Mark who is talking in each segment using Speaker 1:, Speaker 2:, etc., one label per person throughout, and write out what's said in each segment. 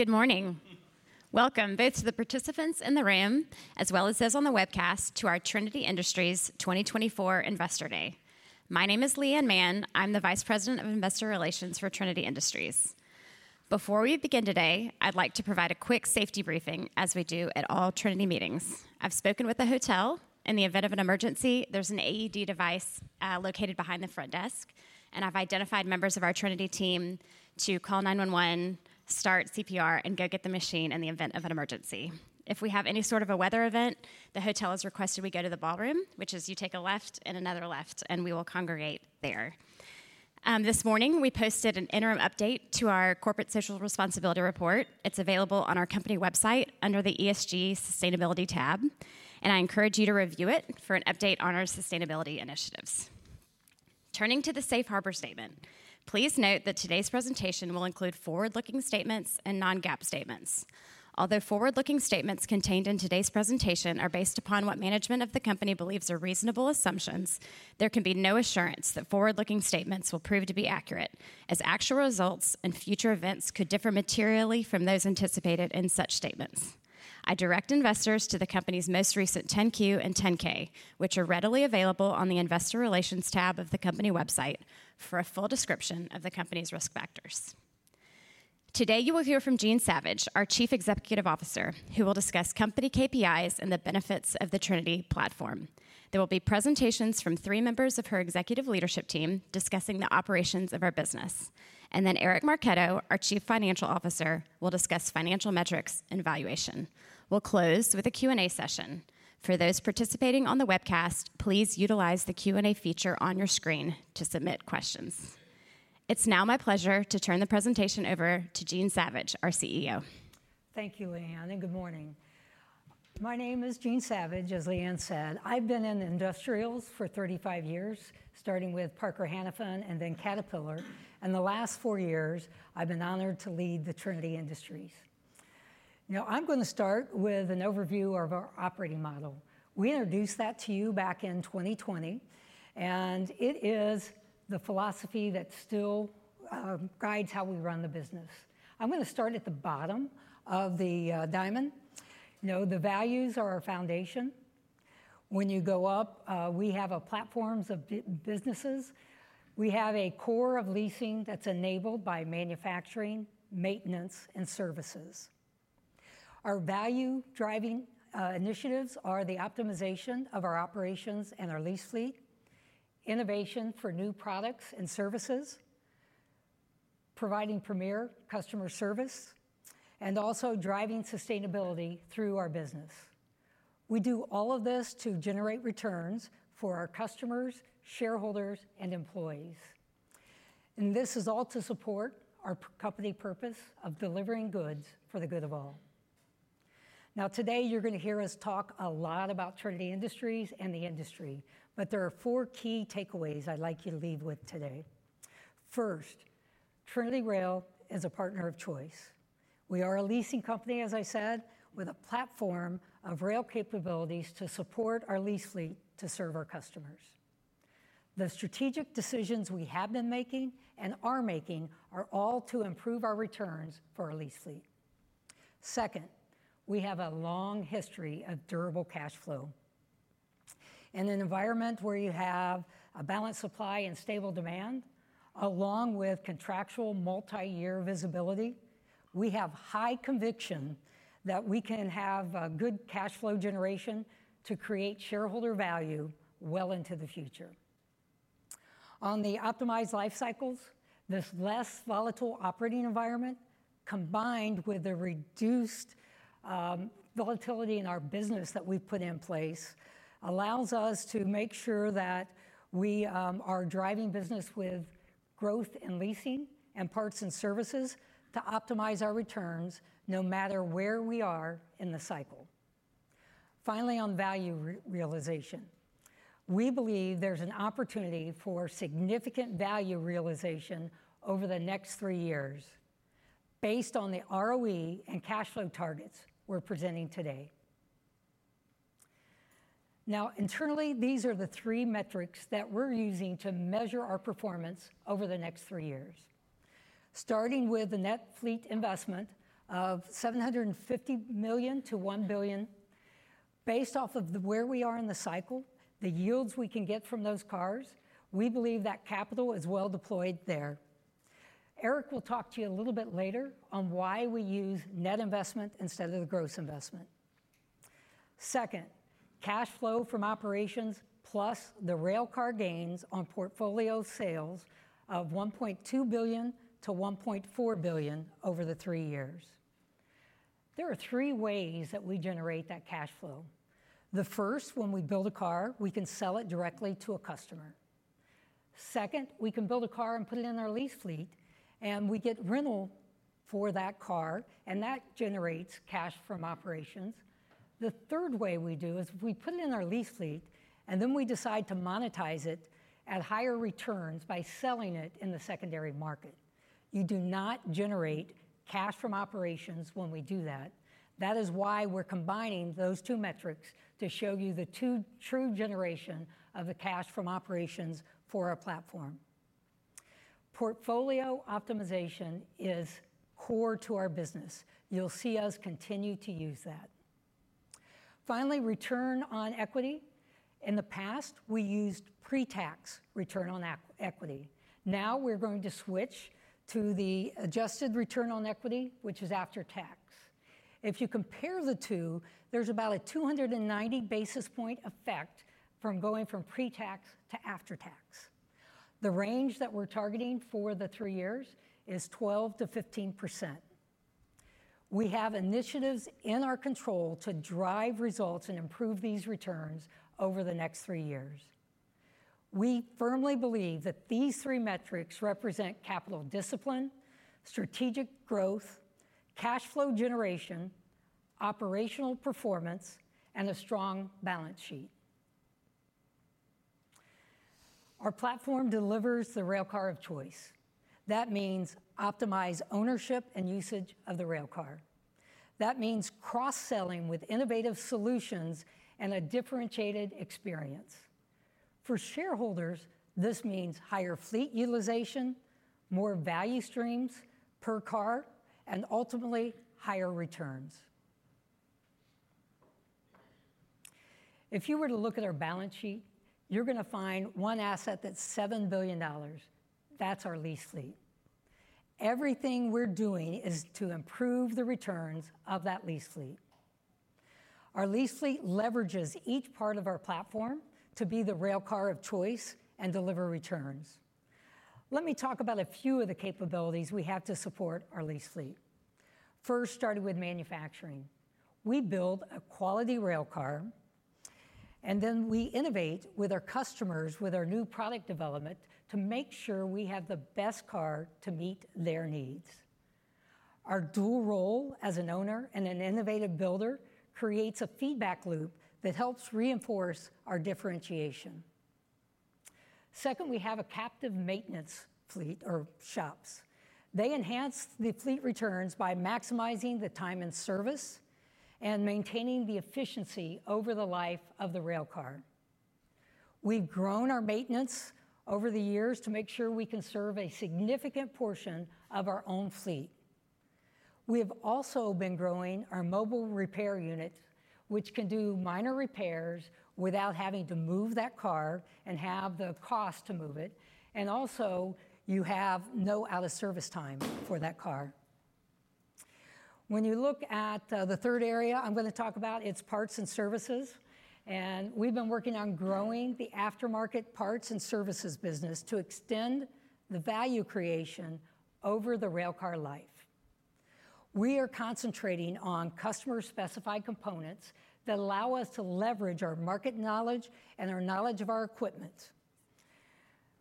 Speaker 1: Good morning. Welcome both to the participants in the room, as well as those on the webcast, to our Trinity Industries 2024 investor day. My name is Leigh Anne Mann. I'm the Vice President of Investor Relations for Trinity Industries. Before we begin today, I'd like to provide a quick safety briefing, as we do at all Trinity meetings. I've spoken with the hotel. In the event of an emergency, there's an AED device located behind the front desk, and I've identified members of our Trinity team to call 911, start CPR, and go get the machine in the event of an emergency. If we have any sort of a weather event, the hotel has requested we go to the ballroom, which is you take a left and another left, and we will congregate there. This morning, we posted an interim update to our corporate social responsibility report. It's available on our company website under the ESG Sustainability tab, and I encourage you to review it for an update on our sustainability initiatives. Turning to the safe harbor statement, please note that today's presentation will include forward-looking statements and non-GAAP statements. Although forward-looking statements contained in today's presentation are based upon what management of the company believes are reasonable assumptions, there can be no assurance that forward-looking statements will prove to be accurate, as actual results and future events could differ materially from those anticipated in such statements. I direct investors to the company's most recent 10-Q and 10-K, which are readily available on the Investor Relations tab of the company website, for a full description of the company's risk factors. Today, you will hear from Jean Savage, our Chief Executive Officer, who will discuss company KPIs and the benefits of the Trinity platform. There will be presentations from three members of her executive leadership team discussing the operations of our business, and then Eric Marchetto, our Chief Financial Officer, will discuss financial metrics and valuation. We'll close with a Q&A session. For those participating on the webcast, please utilize the Q&A feature on your screen to submit questions. It's now my pleasure to turn the presentation over to Jean Savage, our CEO.
Speaker 2: Thank you, Leigh Anne, and good morning. My name is Jean Savage, as Leigh Anne said. I've been in industrials for 35 years, starting with Parker Hannifin and then Caterpillar, and the last four years, I've been honored to lead Trinity Industries. Now, I'm going to start with an overview of our operating model. We introduced that to you back in 2020, and it is the philosophy that still guides how we run the business. I'm gonna start at the bottom of the diamond. You know, the values are our foundation. When you go up, we have platforms of businesses. We have a core of leasing that's enabled by manufacturing, maintenance, and services. Our value-driving initiatives are the optimization of our operations and our lease fleet, innovation for new products and services, providing premier customer service, and also driving sustainability through our business. We do all of this to generate returns for our customers, shareholders, and employees, and this is all to support our company purpose of delivering goods for the good of all. Now, today, you're gonna hear us talk a lot about Trinity Industries and the industry, but there are four key takeaways I'd like you to leave with today. First, TrinityRail is a partner of choice. We are a leasing company, as I said, with a platform of rail capabilities to support our lease fleet to serve our customers. The strategic decisions we have been making and are making are all to improve our returns for our lease fleet. Second, we have a long history of durable cash flow. In an environment where you have a balanced supply and stable demand, along with contractual multiyear visibility, we have high conviction that we can have a good cash flow generation to create shareholder value well into the future. On the optimized life cycles, this less volatile operating environment, combined with the reduced volatility in our business that we've put in place, allows us to make sure that we are driving business with growth in leasing and parts and services to optimize our returns, no matter where we are in the cycle. Finally, on value realization, we believe there's an opportunity for significant value realization over the next three years based on the ROE and cash flow targets we're presenting today. Now, internally, these are the three metrics that we're using to measure our performance over the next three years. Starting with the net fleet investment of $750 million-$1 billion. Based off of where we are in the cycle, the yields we can get from those cars, we believe that capital is well deployed there. Eric will talk to you a little bit later on why we use net investment instead of the gross investment. Second, cash flow from operations, plus the railcar gains on portfolio sales of $1.2 billion-$1.4 billion over the three years. There are three ways that we generate that cash flow. The first, when we build a car, we can sell it directly to a customer. Second, we can build a car and put it in our lease fleet, and we get rental for that car, and that generates cash from operations. The third way we do is we put it in our lease fleet, and then we decide to monetize it at higher returns by selling it in the secondary market. You do not generate cash from operations when we do that. That is why we're combining those two metrics to show you the two true generation of the cash from operations for our platform. Portfolio optimization is core to our business. You'll see us continue to use that. Finally, return on equity. In the past, we used pre-tax return on equity. Now, we're going to switch to the adjusted return on equity, which is after tax. If you compare the two, there's about a 290 basis point effect from going from pre-tax to after tax. The range that we're targeting for the three years is 12%-15%. We have initiatives in our control to drive results and improve these returns over the next three years. We firmly believe that these three metrics represent capital discipline, strategic growth, cash flow generation, operational performance, and a strong balance sheet. Our platform delivers the railcar of choice. That means optimize ownership and usage of the railcar. That means cross-selling with innovative solutions and a differentiated experience. For shareholders, this means higher fleet utilization, more value streams per car, and ultimately, higher returns. If you were to look at our balance sheet, you're gonna find one asset that's $7 billion. That's our lease fleet. Everything we're doing is to improve the returns of that lease fleet. Our lease fleet leverages each part of our platform to be the railcar of choice and deliver returns. Let me talk about a few of the capabilities we have to support our lease fleet. First, starting with manufacturing. We build a quality railcar, and then we innovate with our customers, with our new product development, to make sure we have the best car to meet their needs. Our dual role as an owner and an innovative builder creates a feedback loop that helps reinforce our differentiation. Second, we have a captive maintenance fleet or shops. They enhance the fleet returns by maximizing the time and service and maintaining the efficiency over the life of the railcar. We've grown our maintenance over the years to make sure we can serve a significant portion of our own fleet. We have also been growing our mobile repair unit, which can do minor repairs without having to move that car and have the cost to move it, and also, you have no out-of-service time for that car. When you look at the third area I'm gonna talk about, it's parts and services, and we've been working on growing the aftermarket parts and services business to extend the value creation over the railcar life. We are concentrating on customer-specified components that allow us to leverage our market knowledge and our knowledge of our equipment.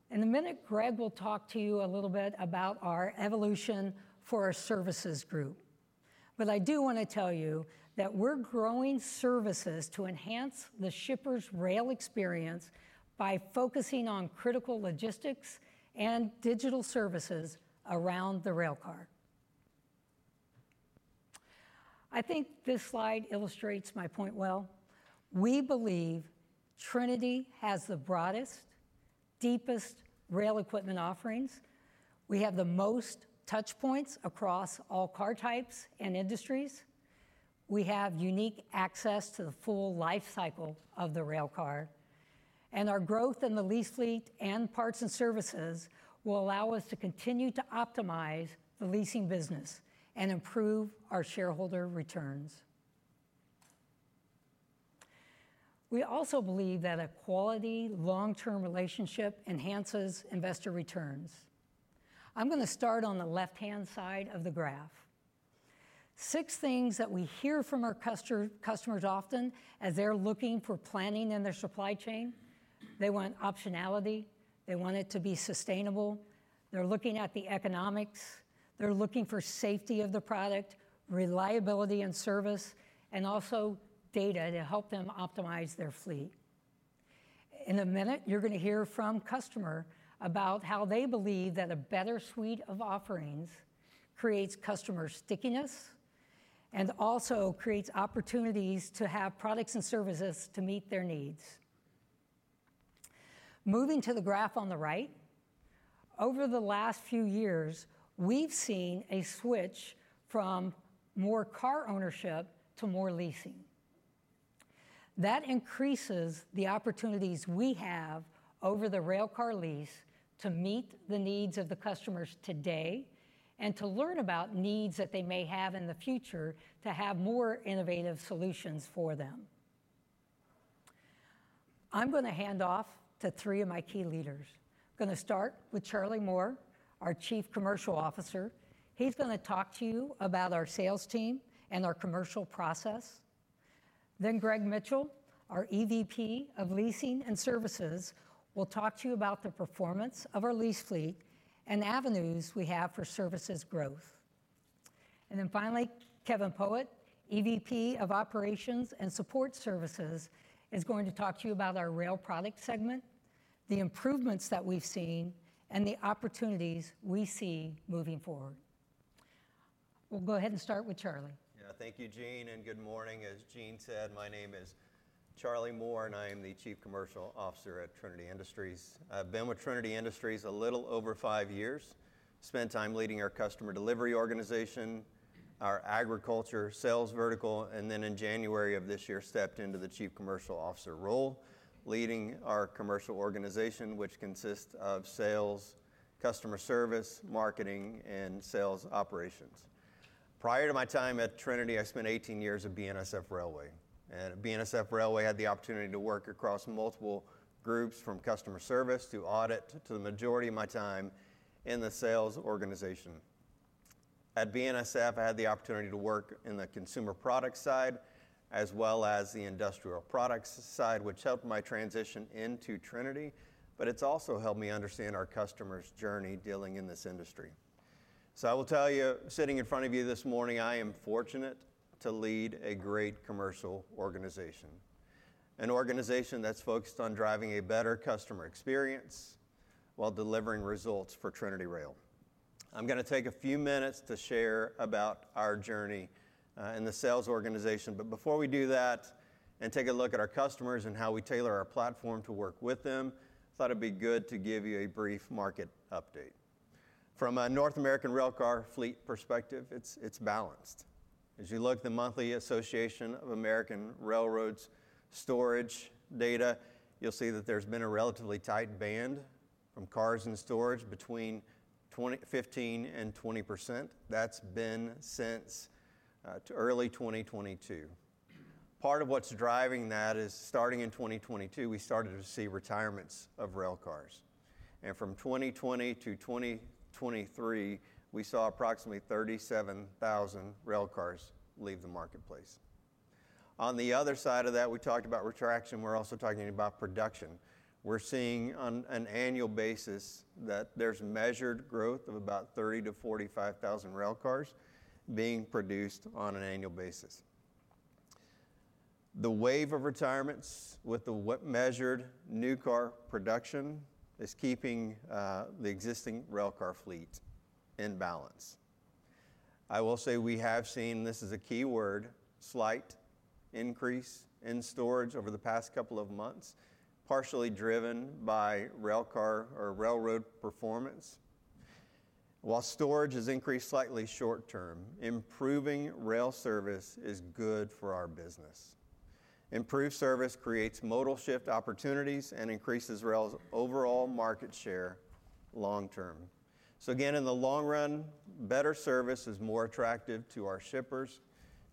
Speaker 2: In a minute, Greg will talk to you a little bit about our evolution for our services group. But I do wanna tell you that we're growing services to enhance the shipper's rail experience by focusing on critical logistics and digital services around the railcar. I think this slide illustrates my point well. We believe Trinity has the broadest, deepest rail equipment offerings. We have the most touchpoints across all car types and industries. We have unique access to the full life cycle of the railcar, and our growth in the lease fleet and parts and services will allow us to continue to optimize the leasing business and improve our shareholder returns. We also believe that a quality, long-term relationship enhances investor returns. I'm gonna start on the left-hand side of the graph. Six things that we hear from our customers often as they're looking for planning in their supply chain: They want optionality, they want it to be sustainable, they're looking at the economics, they're looking for safety of the product, reliability and service, and also data to help them optimize their fleet. In a minute, you're gonna hear from customer about how they believe that a better suite of offerings creates customer stickiness and also creates opportunities to have products and services to meet their needs. Moving to the graph on the right, over the last few years, we've seen a switch from more car ownership to more leasing. That increases the opportunities we have over the railcar lease to meet the needs of the customers today and to learn about needs that they may have in the future to have more innovative solutions for them. I'm gonna hand off to three of my key leaders. I'm gonna start with Charley Moore, our Chief Commercial Officer. He's gonna talk to you about our sales team and our commercial process. Then Greg Mitchell, our EVP of Leasing and Services, will talk to you about the performance of our lease fleet and avenues we have for services growth. And then finally, Kevin Poet, EVP of Operations and Support Services, is going to talk to you about our rail product segment, the improvements that we've seen, and the opportunities we see moving forward. We'll go ahead and start with Charley.
Speaker 3: Yeah, thank you, Jean, and good morning. As Jean said, my name is Charley Moore, and I am the Chief Commercial Officer at Trinity Industries. I've been with Trinity Industries a little over five years. Spent time leading our customer delivery organization, our agriculture sales vertical, and then in January of this year, stepped into the chief commercial officer role, leading our commercial organization, which consists of sales, customer service, marketing, and sales operations. Prior to my time at Trinity, I spent 18 years at BNSF Railway. At BNSF Railway, I had the opportunity to work across multiple groups, from customer service to audit, to the majority of my time in the sales organization. At BNSF, I had the opportunity to work in the consumer product side as well as the industrial products side, which helped my transition into Trinity, but it's also helped me understand our customer's journey dealing in this industry. So I will tell you, sitting in front of you this morning, I am fortunate to lead a great commercial organization, an organization that's focused on driving a better customer experience while delivering results for TrinityRail. I'm gonna take a few minutes to share about our journey in the sales organization. But before we do that and take a look at our customers and how we tailor our platform to work with them, I thought it'd be good to give you a brief market update. From a North American railcar fleet perspective, it's balanced. As you look at the monthly Association of American Railroads storage data, you'll see that there's been a relatively tight band from cars in storage between 15%-20%. That's been since early 2022. Part of what's driving that is, starting in 2022, we started to see retirements of railcars, and from 2020 to 2023, we saw approximately 37,000 railcars leave the marketplace. On the other side of that, we talked about retraction. We're also talking about production. We're seeing on an annual basis that there's measured growth of about 30-45,000 railcars being produced on an annual basis. The wave of retirements with the measured new car production is keeping the existing railcar fleet in balance. I will say we have seen, this is a key word, slight increase in storage over the past couple of months, partially driven by railcar or railroad performance. While storage has increased slightly short term, improving rail service is good for our business. Improved service creates modal shift opportunities and increases rail's overall market share long term. So again, in the long run, better service is more attractive to our shippers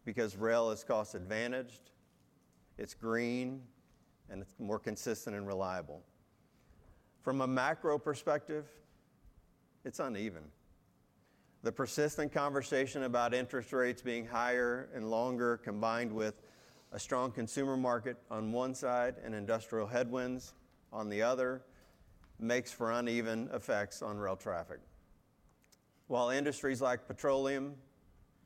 Speaker 3: because rail is cost-advantaged, it's green, and it's more consistent and reliable. From a macro perspective, it's uneven. The persistent conversation about interest rates being higher and longer, combined with a strong consumer market on one side and industrial headwinds on the other, makes for uneven effects on rail traffic. While industries like petroleum,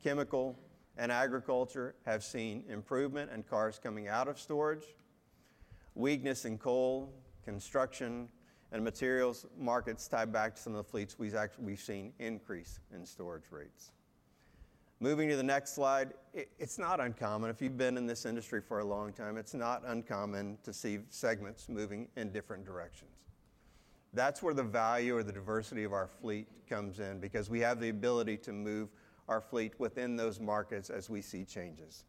Speaker 3: chemical, and agriculture have seen improvement and cars coming out of storage, weakness in coal, construction, and materials markets tied back to some of the fleets, we've seen increase in storage rates. Moving to the next slide, it's not uncommon, if you've been in this industry for a long time, it's not uncommon to see segments moving in different directions. That's where the value or the diversity of our fleet comes in, because we have the ability to move our fleet within those markets as we see changes.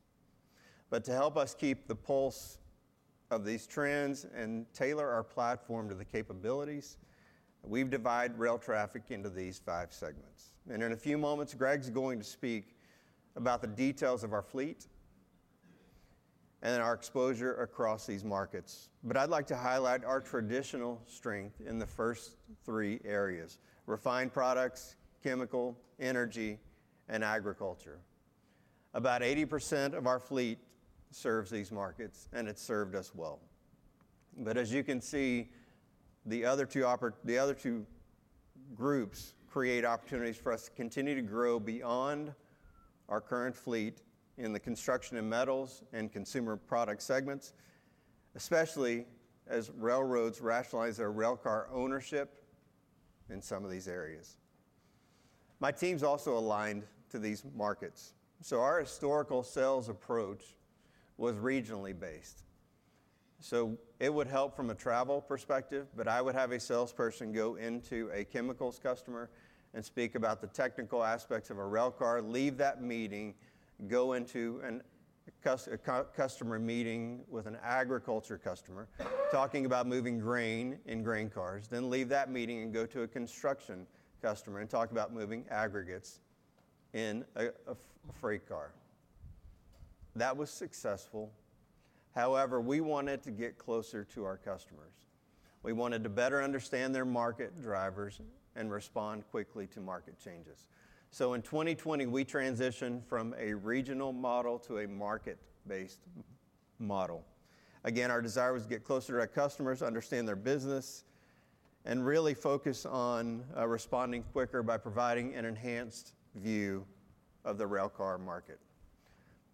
Speaker 3: To help us keep the pulse of these trends and tailor our platform to the capabilities, we've divided rail traffic into these five segments. In a few moments, Greg's going to speak about the details of our fleet and our exposure across these markets. I'd like to highlight our traditional strength in the first three areas: refined products, chemical, energy, and agriculture. About 80% of our fleet serves these markets, and it's served us well. As you can see, the other two groups create opportunities for us to continue to grow beyond our current fleet in the construction and metals and consumer product segments, especially as railroads rationalize their railcar ownership in some of these areas. My team's also aligned to these markets. So our historical sales approach was regionally based. It would help from a travel perspective, but I would have a salesperson go into a chemicals customer and speak about the technical aspects of a railcar, leave that meeting, go into a customer meeting with an agriculture customer, talking about moving grain in grain cars, then leave that meeting and go to a construction customer and talk about moving aggregates in a freight car. That was successful. However, we wanted to get closer to our customers. We wanted to better understand their market drivers and respond quickly to market changes. In 2020, we transitioned from a regional model to a market-based model. Again, our desire was to get closer to our customers, understand their business, and really focus on responding quicker by providing an enhanced view of the railcar market.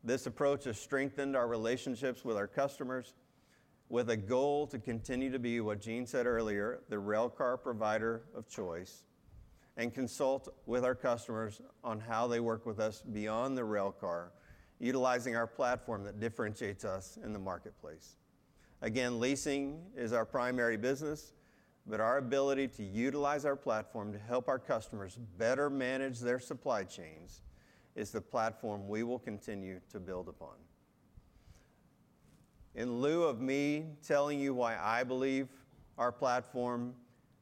Speaker 3: This approach has strengthened our relationships with our customers, with a goal to continue to be what Jean said earlier, the railcar provider of choice, and consult with our customers on how they work with us beyond the railcar, utilizing our platform that differentiates us in the marketplace. Again, leasing is our primary business, but our ability to utilize our platform to help our customers better manage their supply chains, is the platform we will continue to build upon. In lieu of me telling you why I believe our platform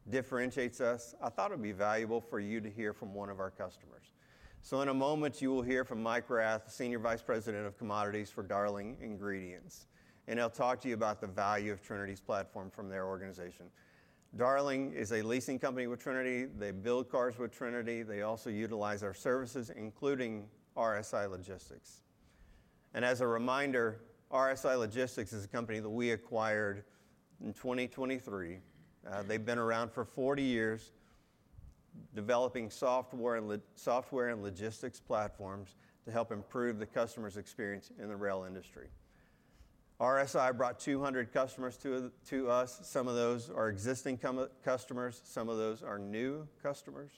Speaker 3: differentiates us, I thought it would be valuable for you to hear from one of our customers. In a moment, you will hear from Mike Rath, Senior Vice President of Commodities for Darling Ingredients, and he'll talk to you about the value of Trinity's platform from their organization. Darling is a leasing company with Trinity. They build cars with Trinity. They also utilize our services, including RSI Logistics. As a reminder, RSI Logistics is a company that we acquired in 2023. They've been around for 40 years, developing software and software and logistics platforms to help improve the customer's experience in the rail industry. RSI brought 200 customers to, to us. Some of those are existing customers, some of those are new customers.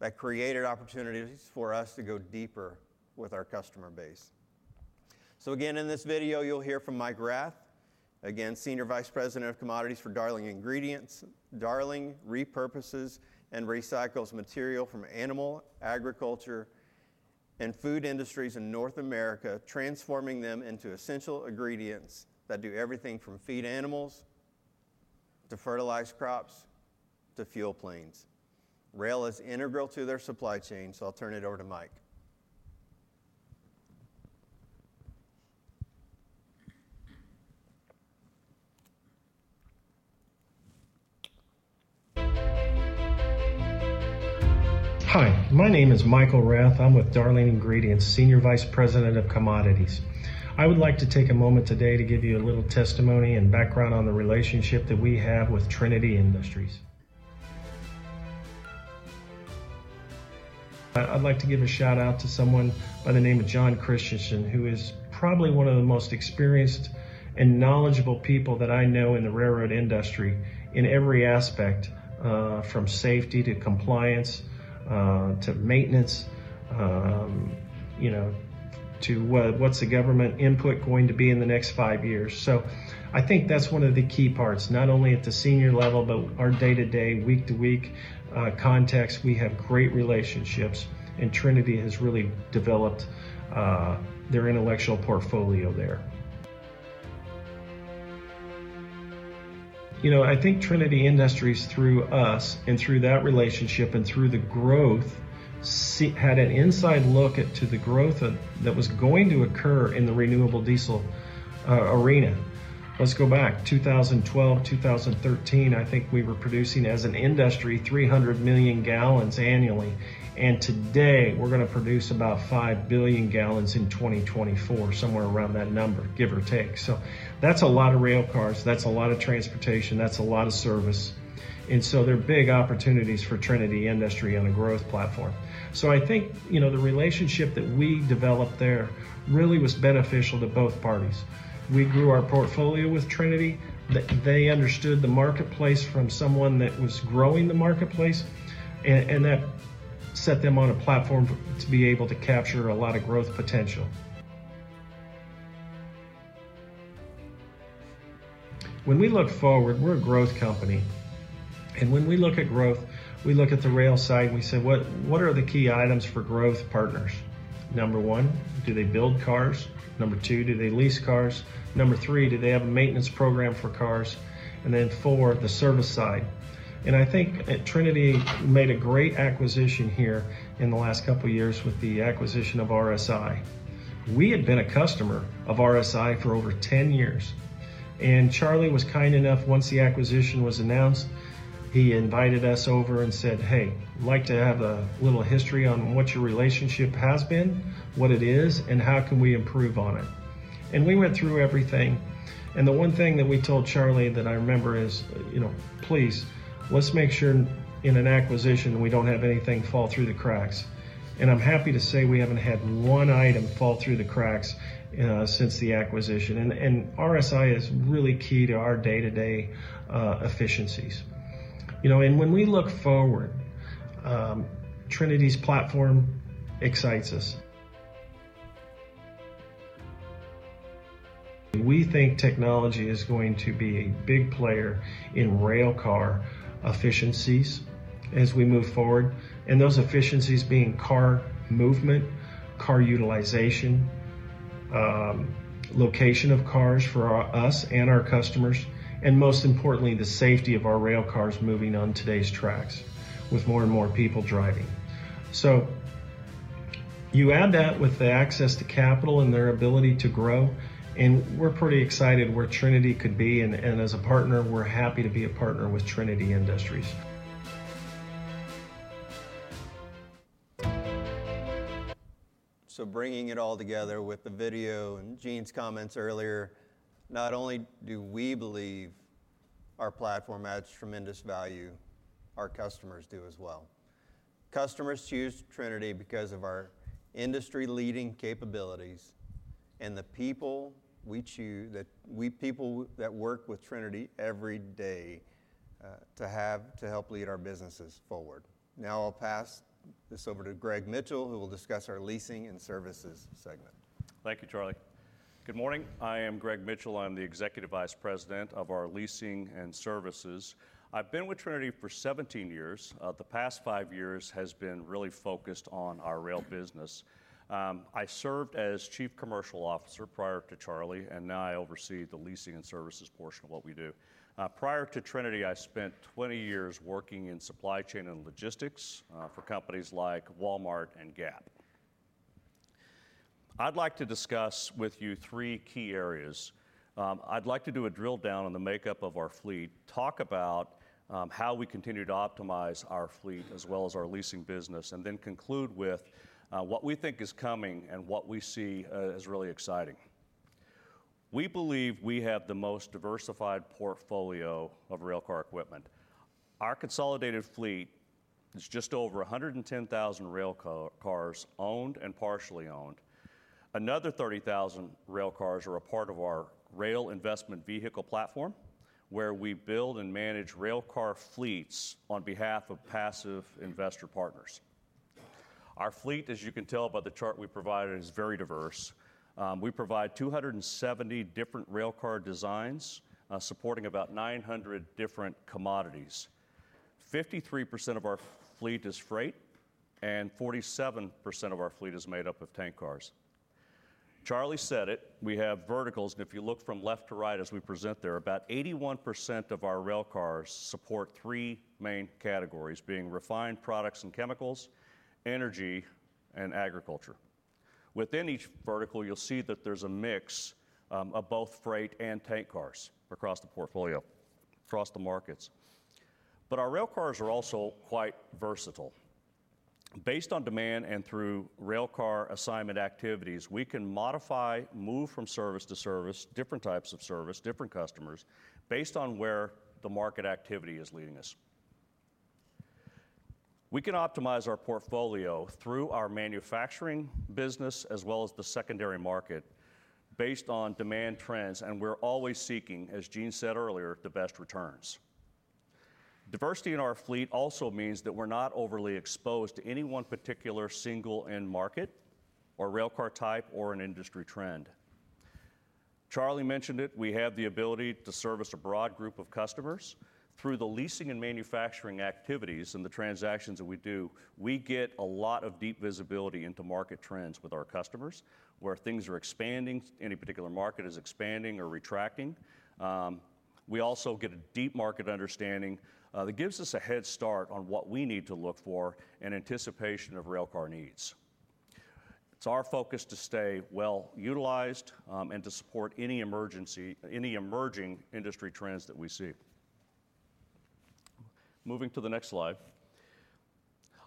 Speaker 3: That created opportunities for us to go deeper with our customer base. Again, in this video, you'll hear from Mike Rath, again, Senior Vice President of Commodities for Darling Ingredients. Darling repurposes and recycles material from animal, agriculture, and food industries in North America, transforming them into essential ingredients that do everything from feed animals, to fertilize crops, to fuel planes. Rail is integral to their supply chain, so I'll turn it over to Mike.
Speaker 4: Hi, my name is Michael Rath. I'm with Darling Ingredients, Senior Vice President of Commodities. I would like to take a moment today to give you a little testimony and background on the relationship that we have with Trinity Industries. I'd like to give a shout-out to someone by the name of John Christensen, who is probably one of the most experienced and knowledgeable people that I know in the railroad industry, in every aspect, from safety to compliance, to maintenance, you know, to what's the government input going to be in the next five years. I think that's one of the key parts, not only at the senior level, but our day-to-day, week-to-week, contacts, we have great relationships, and Trinity has really developed, their intellectual portfolio there. You know, I think Trinity Industries, through us and through that relationship and through the growth, had an inside look into the growth of. that was going to occur in the renewable diesel arena. Let's go back: 2012, 2013, I think we were producing, as an industry, 300 million gallons annually, and today, we're gonna produce about 5 billion gallons in 2024, somewhere around that number, give or take. That's a lot of rail cars, that's a lot of transportation, that's a lot of service, and so there are big opportunities for Trinity Industries on a growth platform. So I think, you know, the relationship that we developed there really was beneficial to both parties. We grew our portfolio with Trinity. They understood the marketplace from someone that was growing the marketplace, and that set them on a platform to be able to capture a lot of growth potential. When we look forward, we're a growth company, and when we look at growth, we look at the rail side, and we say: What are the key items for growth partners? Number one, do they build cars? Number two, do they lease cars? Number three, do they have a maintenance program for cars? And then four, the service side. And I think that Trinity made a great acquisition here in the last couple of years with the acquisition of RSI. We had been a customer of RSI for over 10 years, and Charley was kind enough, once the acquisition was announced, he invited us over and said, "Hey, I'd like to have a little history on what your relationship has been, what it is, and how can we improve on it?", and we went through everything, and the one thing that we told Charley that I remember is, you know, "Please, let's make sure in an acquisition, we don't have anything fall through the cracks." I'm happy to say we haven't had one item fall through the cracks since the acquisition, and RSI is really key to our day-to-day efficiencies. You know, and when we look forward, Trinity's platform excites us. We think technology is going to be a big player in railcar efficiencies as we move forward, and those efficiencies being car movement, car utilization, location of cars for us and our customers, and most importantly, the safety of our railcars moving on today's tracks with more and more people driving. So you add that with the access to capital and their ability to grow, and we're pretty excited where Trinity could be, and, and as a partner, we're happy to be a partner with Trinity Industries.
Speaker 3: Bringing it all together with the video and Jean's comments earlier, not only do we believe our platform adds tremendous value, our customers do as well. Customers choose Trinity because of our industry-leading capabilities and the people we choose, the people that work with Trinity every day to help lead our businesses forward. Now, I'll pass this over to Greg Mitchell, who will discuss our leasing and services segment.
Speaker 5: Thank you, Charley. Good morning. I am Greg Mitchell. I'm the Executive Vice President of our Leasing and Services. I've been with Trinity for 17 years. The past five years has been really focused on our rail business. I served as Chief Commercial Officer prior to Charley, and now I oversee the leasing and services portion of what we do. Prior to Trinity, I spent 20 years working in supply chain and logistics, for companies like Walmart and Gap. I'd like to discuss with you three key areas. I'd like to do a drill down on the makeup of our fleet, talk about, how we continue to optimize our fleet as well as our leasing business, and then conclude with, what we think is coming and what we see, as really exciting. We believe we have the most diversified portfolio of railcar equipment. Our consolidated fleet is just over 110,000 railcars, owned and partially owned. Another 30,000 railcars are a part of our rail investment vehicle platform, where we build and manage railcar fleets on behalf of passive investor partners. Our fleet, as you can tell by the chart we provided, is very diverse. We provide 270 different railcar designs, supporting about 900 different commodities. 53% of our fleet is freight, and 47% of our fleet is made up of tank cars. Charley said it, we have verticals, and if you look from left to right as we present, there are about 81% of our railcars support three main categories, being refined products and chemicals, energy, and agriculture. Within each vertical, you'll see that there's a mix of both freight and tank cars across the portfolio, across the markets. But our railcars are also quite versatile. Based on demand and through railcar assignment activities, we can modify, move from service to service, different types of service, different customers, based on where the market activity is leading us. We can optimize our portfolio through our manufacturing business as well as the secondary market based on demand trends, and we're always seeking, as Jean said earlier, the best returns. Diversity in our fleet also means that we're not overly exposed to any one particular single end market or railcar type or an industry trend. Charley mentioned it, we have the ability to service a broad group of customers. Through the leasing and manufacturing activities and the transactions that we do, we get a lot of deep visibility into market trends with our customers, where things are expanding, any particular market is expanding or retracting. We also get a deep market understanding that gives us a head start on what we need to look for in anticipation of railcar needs. It's our focus to stay well-utilized and to support any emerging industry trends that we see. Moving to the next slide.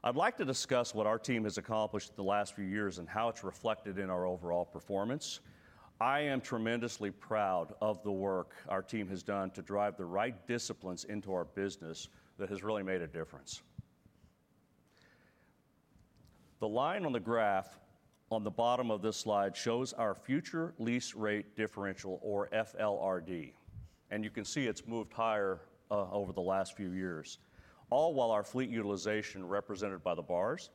Speaker 5: I'd like to discuss what our team has accomplished the last few years and how it's reflected in our overall performance. I am tremendously proud of the work our team has done to drive the right disciplines into our business that has really made a difference. The line on the graph on the bottom of this slide shows our future lease rate differential or FLRD, and you can see it's moved higher over the last few years, all while our fleet utilization, represented by the bars,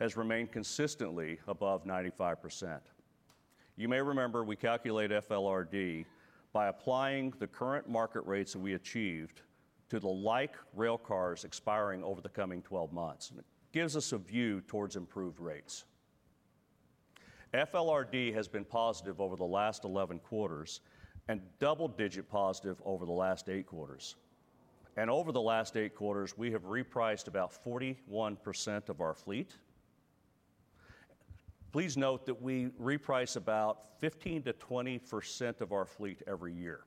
Speaker 5: has remained consistently above 95%. You may remember, we calculate FLRD by applying the current market rates that we achieved to the like railcars expiring over the coming 12 months, and it gives us a view towards improved rates. FLRD has been positive over the last 11 quarters and double-digit positive over the last eight quarters. Over the last eight quarters, we have repriced about 41% of our fleet. Please note that we reprice about 15%-20% of our fleet every year,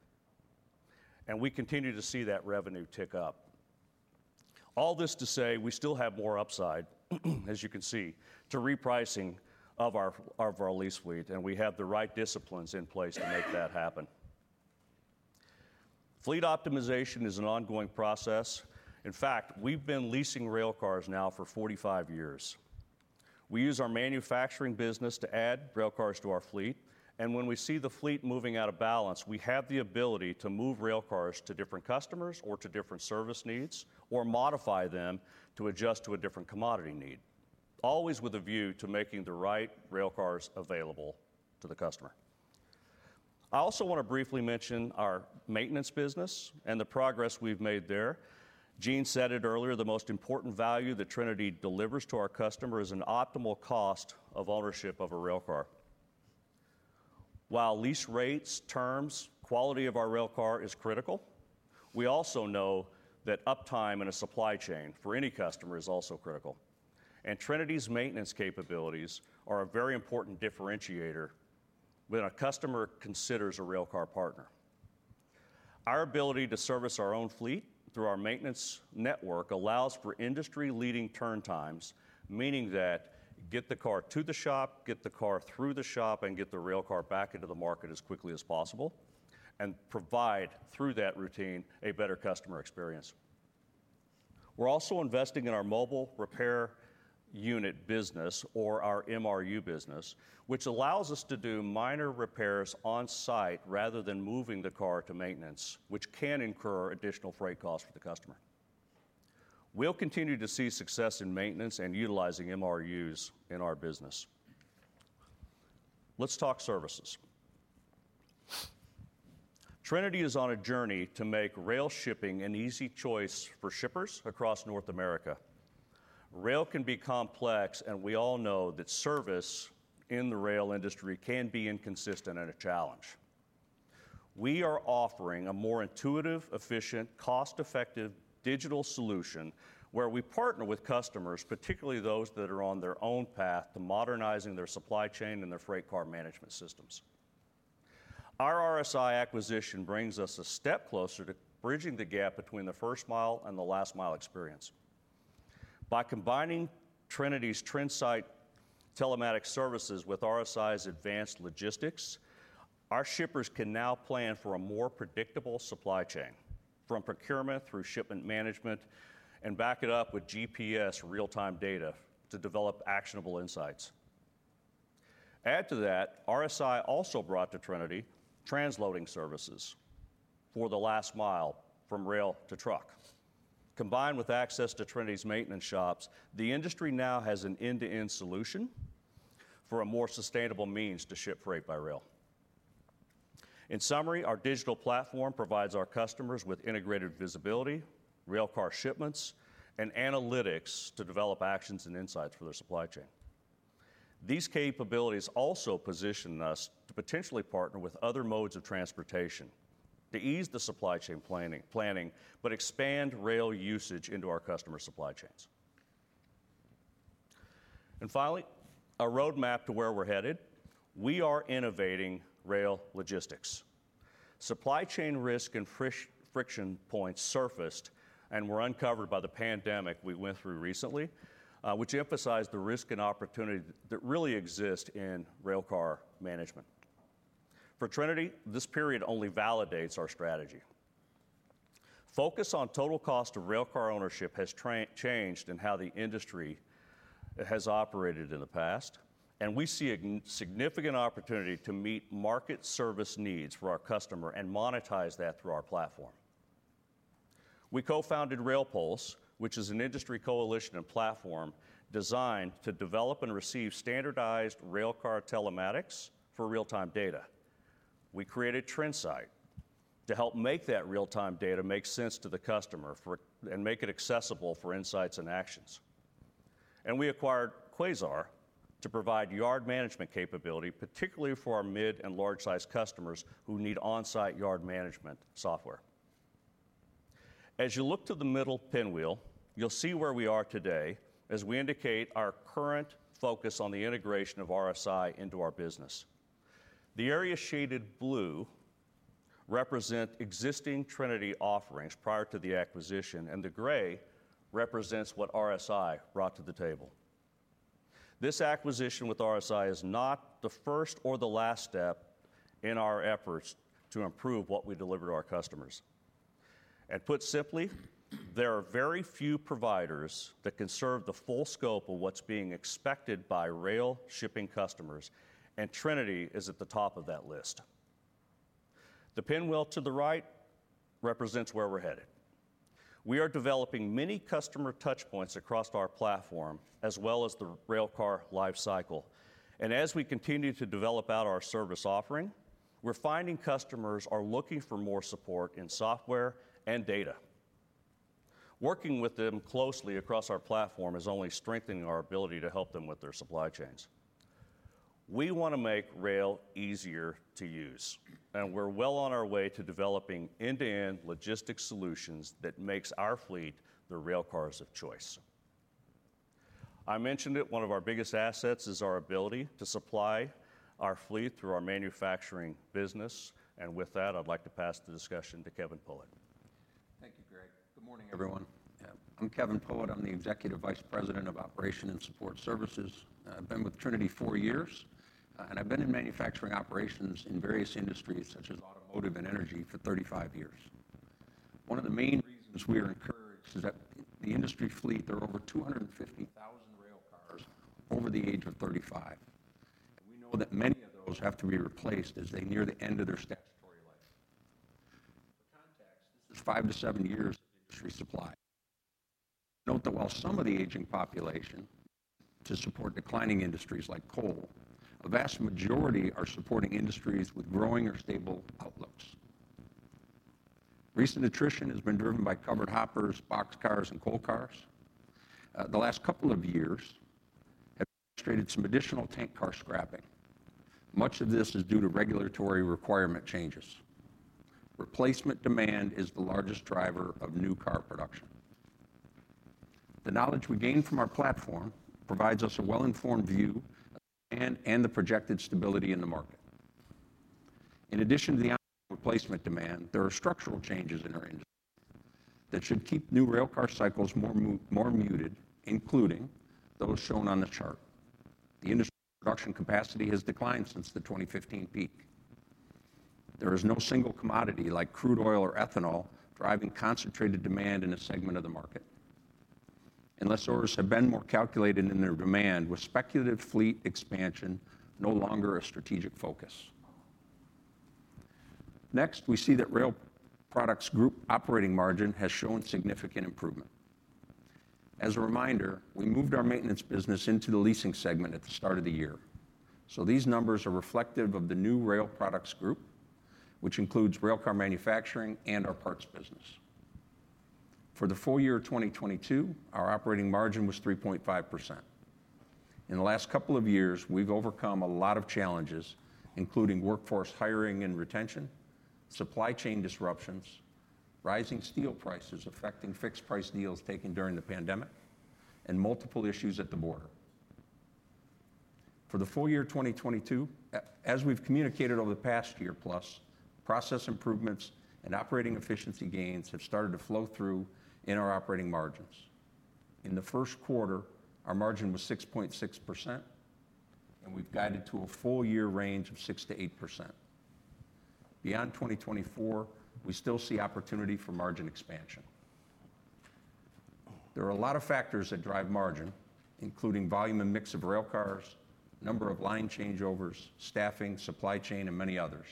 Speaker 5: and we continue to see that revenue tick up. All this to say, we still have more upside, as you can see, to repricing of our lease fleet, and we have the right disciplines in place to make that happen. Fleet optimization is an ongoing process. In fact, we've been leasing railcars now for 45 years. We use our manufacturing business to add railcars to our fleet, and when we see the fleet moving out of balance, we have the ability to move railcars to different customers or to different service needs, or modify them to adjust to a different commodity need, always with a view to making the right railcars available to the customer. I also want to briefly mention our maintenance business and the progress we've made there. Jean said it earlier, the most important value that Trinity delivers to our customer is an optimal cost of ownership of a railcar. While lease rates, terms, quality of our railcar is critical, we also know that uptime in a supply chain for any customer is also critical, and Trinity's maintenance capabilities are a very important differentiator when a customer considers a railcar partner. Our ability to service our own fleet through our maintenance network allows for industry-leading turn times, meaning that get the car to the shop, get the car through the shop, and get the railcar back into the market as quickly as possible, and provide, through that routine, a better customer experience. We're also investing in our mobile repair unit business, or our MRU business, which allows us to do minor repairs on-site rather than moving the car to maintenance, which can incur additional freight costs for the customer. We'll continue to see success in maintenance and utilizing MRUs in our business. Let's talk services. Trinity is on a journey to make rail shipping an easy choice for shippers across North America. Rail can be complex, and we all know that service in the rail industry can be inconsistent and a challenge. We are offering a more intuitive, efficient, cost-effective digital solution, where we partner with customers, particularly those that are on their own path to modernizing their supply chain and their freight car management systems. Our RSI acquisition brings us a step closer to bridging the gap between the first mile and the last mile experience. By combining Trinity's Trinsight telematics services with RSI's advanced logistics, our shippers can now plan for a more predictable supply chain, from procurement through shipment management, and back it up with GPS real-time data to develop actionable insights. Add to that, RSI also brought to Trinity transloading services for the last mile from rail to truck. Combined with access to Trinity's maintenance shops, the industry now has an end-to-end solution for a more sustainable means to ship freight by rail. In summary, our digital platform provides our customers with integrated visibility, rail car shipments, and analytics to develop actions and insights for their supply chain. These capabilities also position us to potentially partner with other modes of transportation to ease the supply chain planning, but expand rail usage into our customer supply chains. And finally, a roadmap to where we're headed. We are innovating rail logistics. Supply chain risk and friction points surfaced and were uncovered by the pandemic we went through recently, which emphasized the risk and opportunity that really exist in rail car management. For Trinity, this period only validates our strategy. Focus on total cost of railcar ownership has changed in how the industry has operated in the past, and we see a significant opportunity to meet market service needs for our customer and monetize that through our platform. We co-founded RailPulse, which is an industry coalition and platform designed to develop and receive standardized railcar telematics for real-time data. We created Trinsight to help make that real-time data make sense to the customer for, and make it accessible for insights and actions. And we acquired Quasar to provide yard management capability, particularly for our mid and large-sized customers who need on-site yard management software. As you look to the middle pinwheel, you'll see where we are today as we indicate our current focus on the integration of RSI into our business. The area shaded blue represent existing Trinity offerings prior to the acquisition, and the gray represents what RSI brought to the table. This acquisition with RSI is not the first or the last step in our efforts to improve what we deliver to our customers. Put simply, there are very few providers that can serve the full scope of what's being expected by rail shipping customers, and Trinity is at the top of that list. The pinwheel to the right represents where we're headed. We are developing many customer touch points across our platform, as well as the rail car life cycle. As we continue to develop out our service offering, we're finding customers are looking for more support in software and data. Working with them closely across our platform is only strengthening our ability to help them with their supply chains. We want to make rail easier to use, and we're well on our way to developing end-to-end logistics solutions that makes our fleet the rail cars of choice. I mentioned that one of our biggest assets is our ability to supply our fleet through our manufacturing business, and with that, I'd like to pass the discussion to Kevin Poet.
Speaker 6: Thank you, Greg. Good morning, everyone. I'm Kevin Poet. I'm the Executive Vice President of Operations and Support Services. I've been with Trinity four years, and I've been in manufacturing operations in various industries, such as automotive and energy, for 35 years. One of the main reasons we are encouraged is that the industry fleet, there are over 250,000 rail cars over the age of 35, and we know that many of those have to be replaced as they near the end of their statutory life. For context, this is five to seven years of industry supply. Note that while some of the aging population to support declining industries like coal, a vast majority are supporting industries with growing or stable outlooks. Recent attrition has been driven by covered hoppers, boxcars, and coal cars. The last couple of years have illustrated some additional tank car scrapping. Much of this is due to regulatory requirement changes. Replacement demand is the largest driver of new car production. The knowledge we gain from our platform provides us a well-informed view and the projected stability in the market. In addition to the replacement demand, there are structural changes in our industry that should keep new rail car cycles more muted, including those shown on the chart. The industry production capacity has declined since the 2015 peak. There is no single commodity like crude oil or ethanol driving concentrated demand in a segment of the market. Lessors have been more calculated in their demand, with speculative fleet expansion no longer a strategic focus. Next, we see that Rail Products Group operating margin has shown significant improvement. As a reminder, we moved our maintenance business into the leasing segment at the start of the year, so these numbers are reflective of the new Rail Products Group, which includes railcar manufacturing and our parts business. For the full year of 2022, our operating margin was 3.5%. In the last couple of years, we've overcome a lot of challenges, including workforce hiring and retention, supply chain disruptions, rising steel prices affecting fixed-price deals taken during the pandemic, and multiple issues at the border. For the full year 2022, as we've communicated over the past year plus, process improvements and operating efficiency gains have started to flow through in our operating margins. In the first quarter, our margin was 6.6%, and we've guided to a full year range of 6%-8%. Beyond 2024, we still see opportunity for margin expansion. There are a lot of factors that drive margin, including volume and mix of railcars, number of line changeovers, staffing, supply chain, and many others.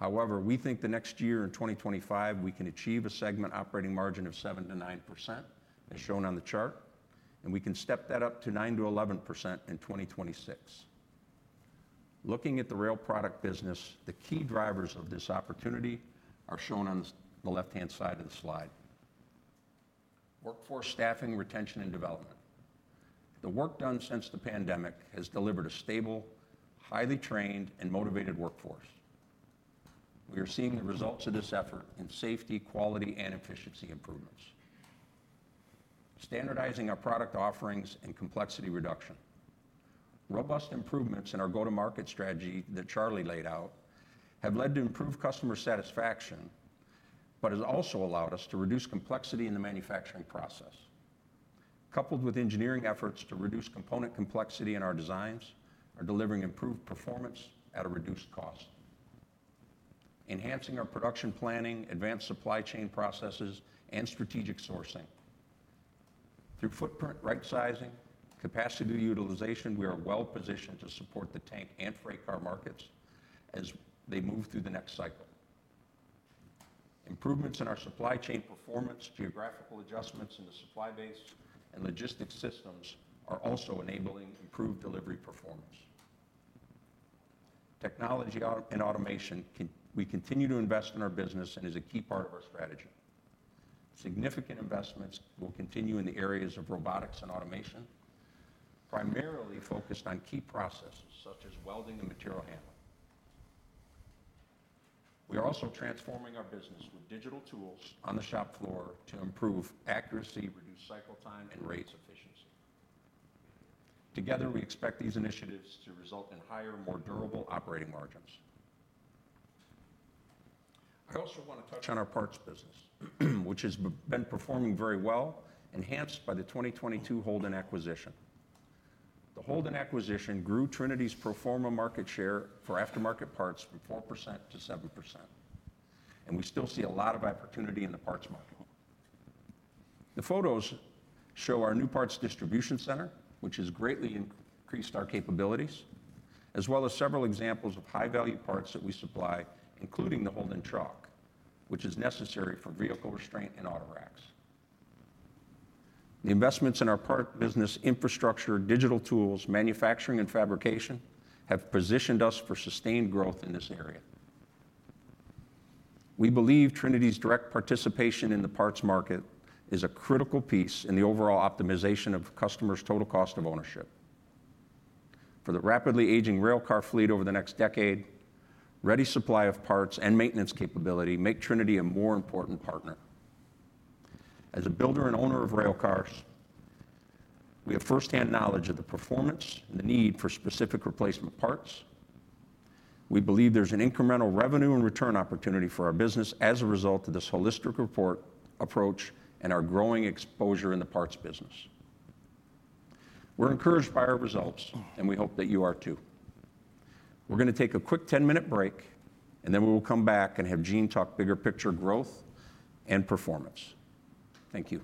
Speaker 6: However, we think the next year in 2025, we can achieve a segment operating margin of 7%-9%, as shown on the chart, and we can step that up to 9%-11% in 2026. Looking at the rail product business, the key drivers of this opportunity are shown on the left-hand side of the slide. Workforce staffing, retention, and development. The work done since the pandemic has delivered a stable, highly trained, and motivated workforce. We are seeing the results of this effort in safety, quality, and efficiency improvements. Standardizing our product offerings and complexity reduction. Robust improvements in our go-to-market strategy that Charley laid out have led to improved customer satisfaction, but has also allowed us to reduce complexity in the manufacturing process. Coupled with engineering efforts to reduce component complexity in our designs, are delivering improved performance at a reduced cost. Enhancing our production planning, advanced supply chain processes, and strategic sourcing. Through footprint rightsizing, capacity utilization, we are well positioned to support the tank and freight car markets as they move through the next cycle. Improvements in our supply chain performance, geographical adjustments in the supply base and logistics systems are also enabling improved delivery performance. Technology out, and automation, we continue to invest in our business and is a key part of our strategy. Significant investments will continue in the areas of robotics and automation, primarily focused on key processes such as welding and material handling. We are also transforming our business with digital tools on the shop floor to improve accuracy, reduce cycle time, and raise efficiency. Together, we expect these initiatives to result in higher, more durable operating margins. I also want to touch on our parts business, which has been performing very well, enhanced by the 2022 Holden acquisition. The Holden acquisition grew Trinity's pro forma market share for aftermarket parts from 4%-7%, and we still see a lot of opportunity in the parts market. The photos show our new parts distribution center, which has greatly increased our capabilities, as well as several examples of high-value parts that we supply, including the Holden Chock, which is necessary for vehicle restraint and autoracks. The investments in our parts business infrastructure, digital tools, manufacturing, and fabrication have positioned us for sustained growth in this area. We believe Trinity's direct participation in the parts market is a critical piece in the overall optimization of customers' total cost of ownership. For the rapidly aging railcar fleet over the next decade, ready supply of parts and maintenance capability make Trinity a more important partner. As a builder and owner of railcars, we have firsthand knowledge of the performance and the need for specific replacement parts. We believe there's an incremental revenue and return opportunity for our business as a result of this holistic report, approach, and our growing exposure in the parts business. We're encouraged by our results, and we hope that you are too. We're going to take a quick 10-minute break, and then we will come back and have Jean talk bigger picture growth and performance. Thank you.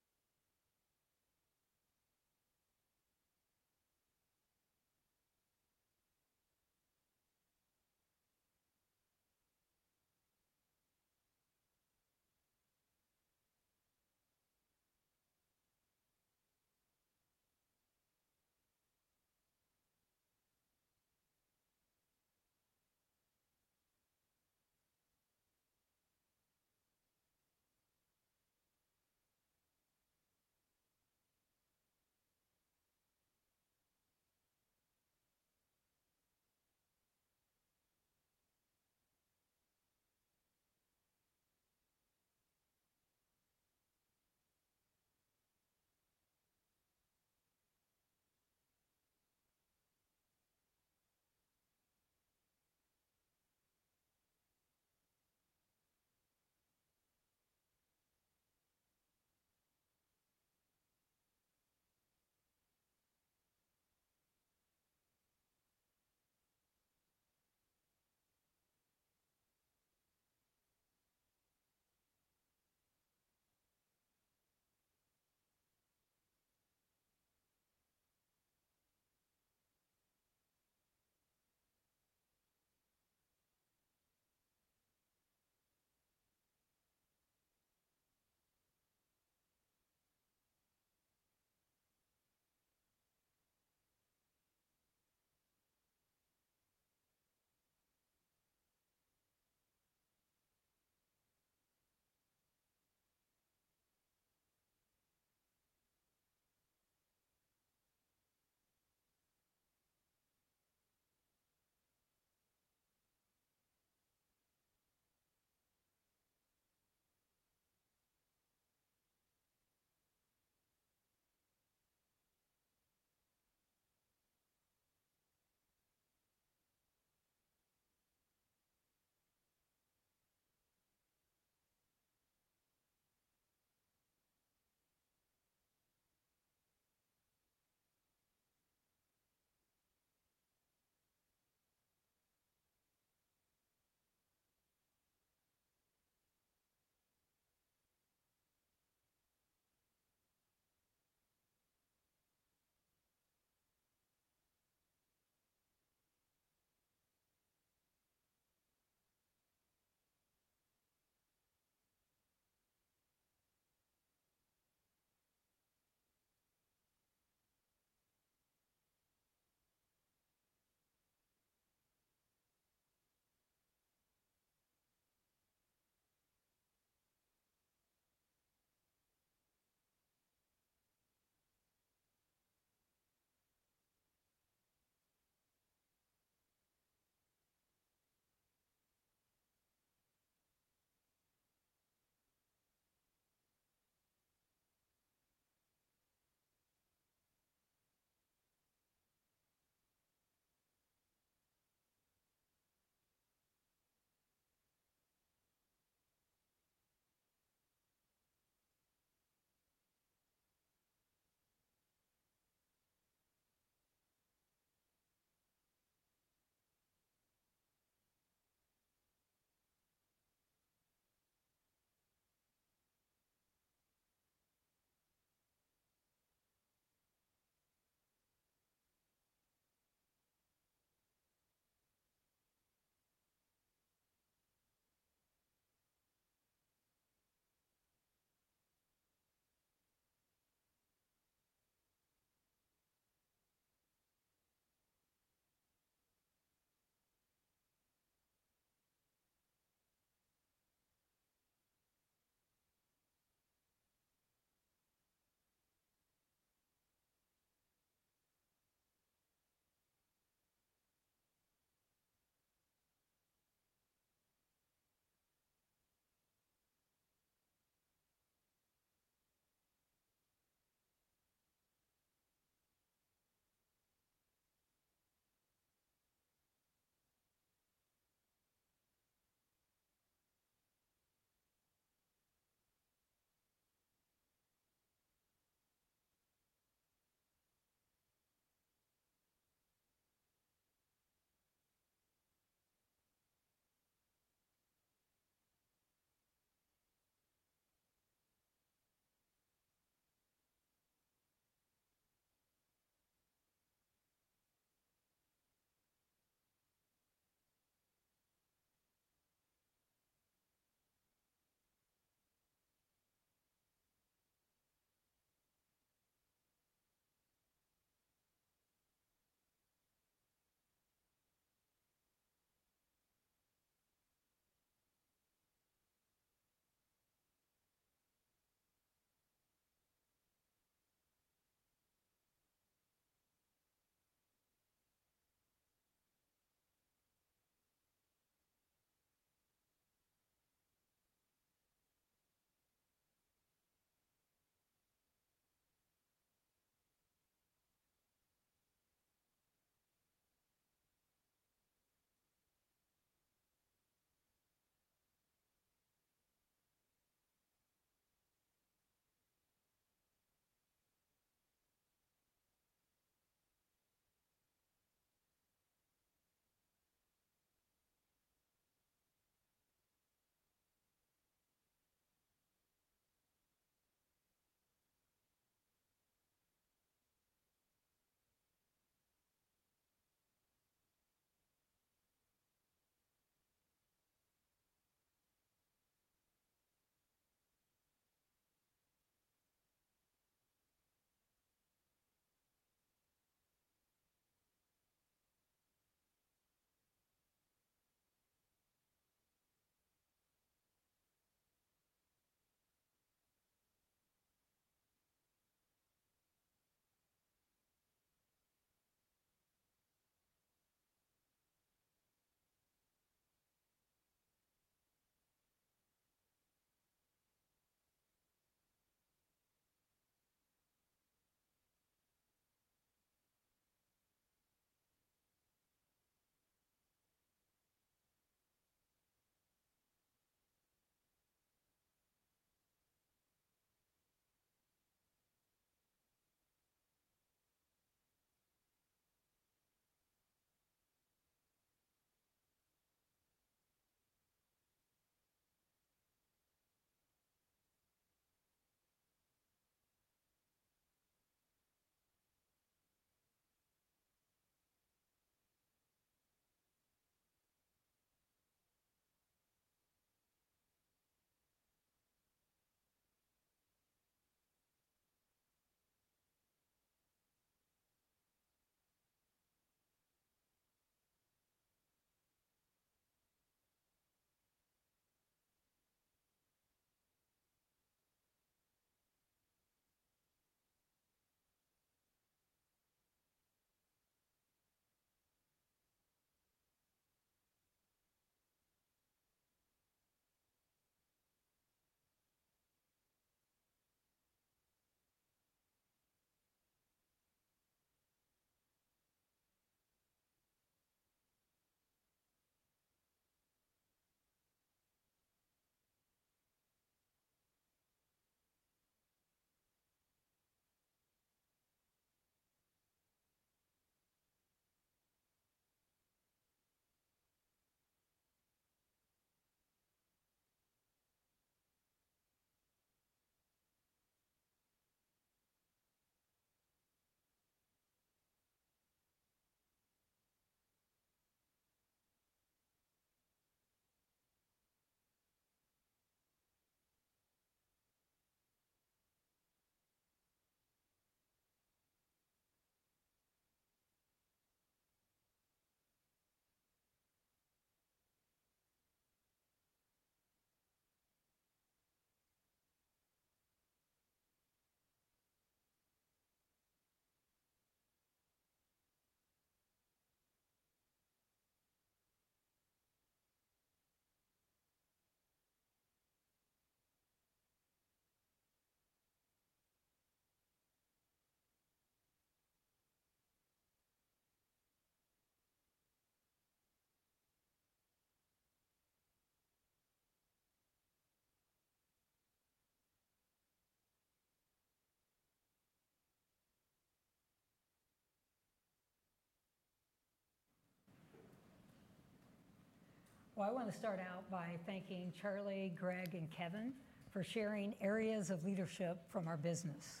Speaker 2: Well, I want to start out by thanking Charley, Greg, and Kevin for sharing areas of leadership from our business.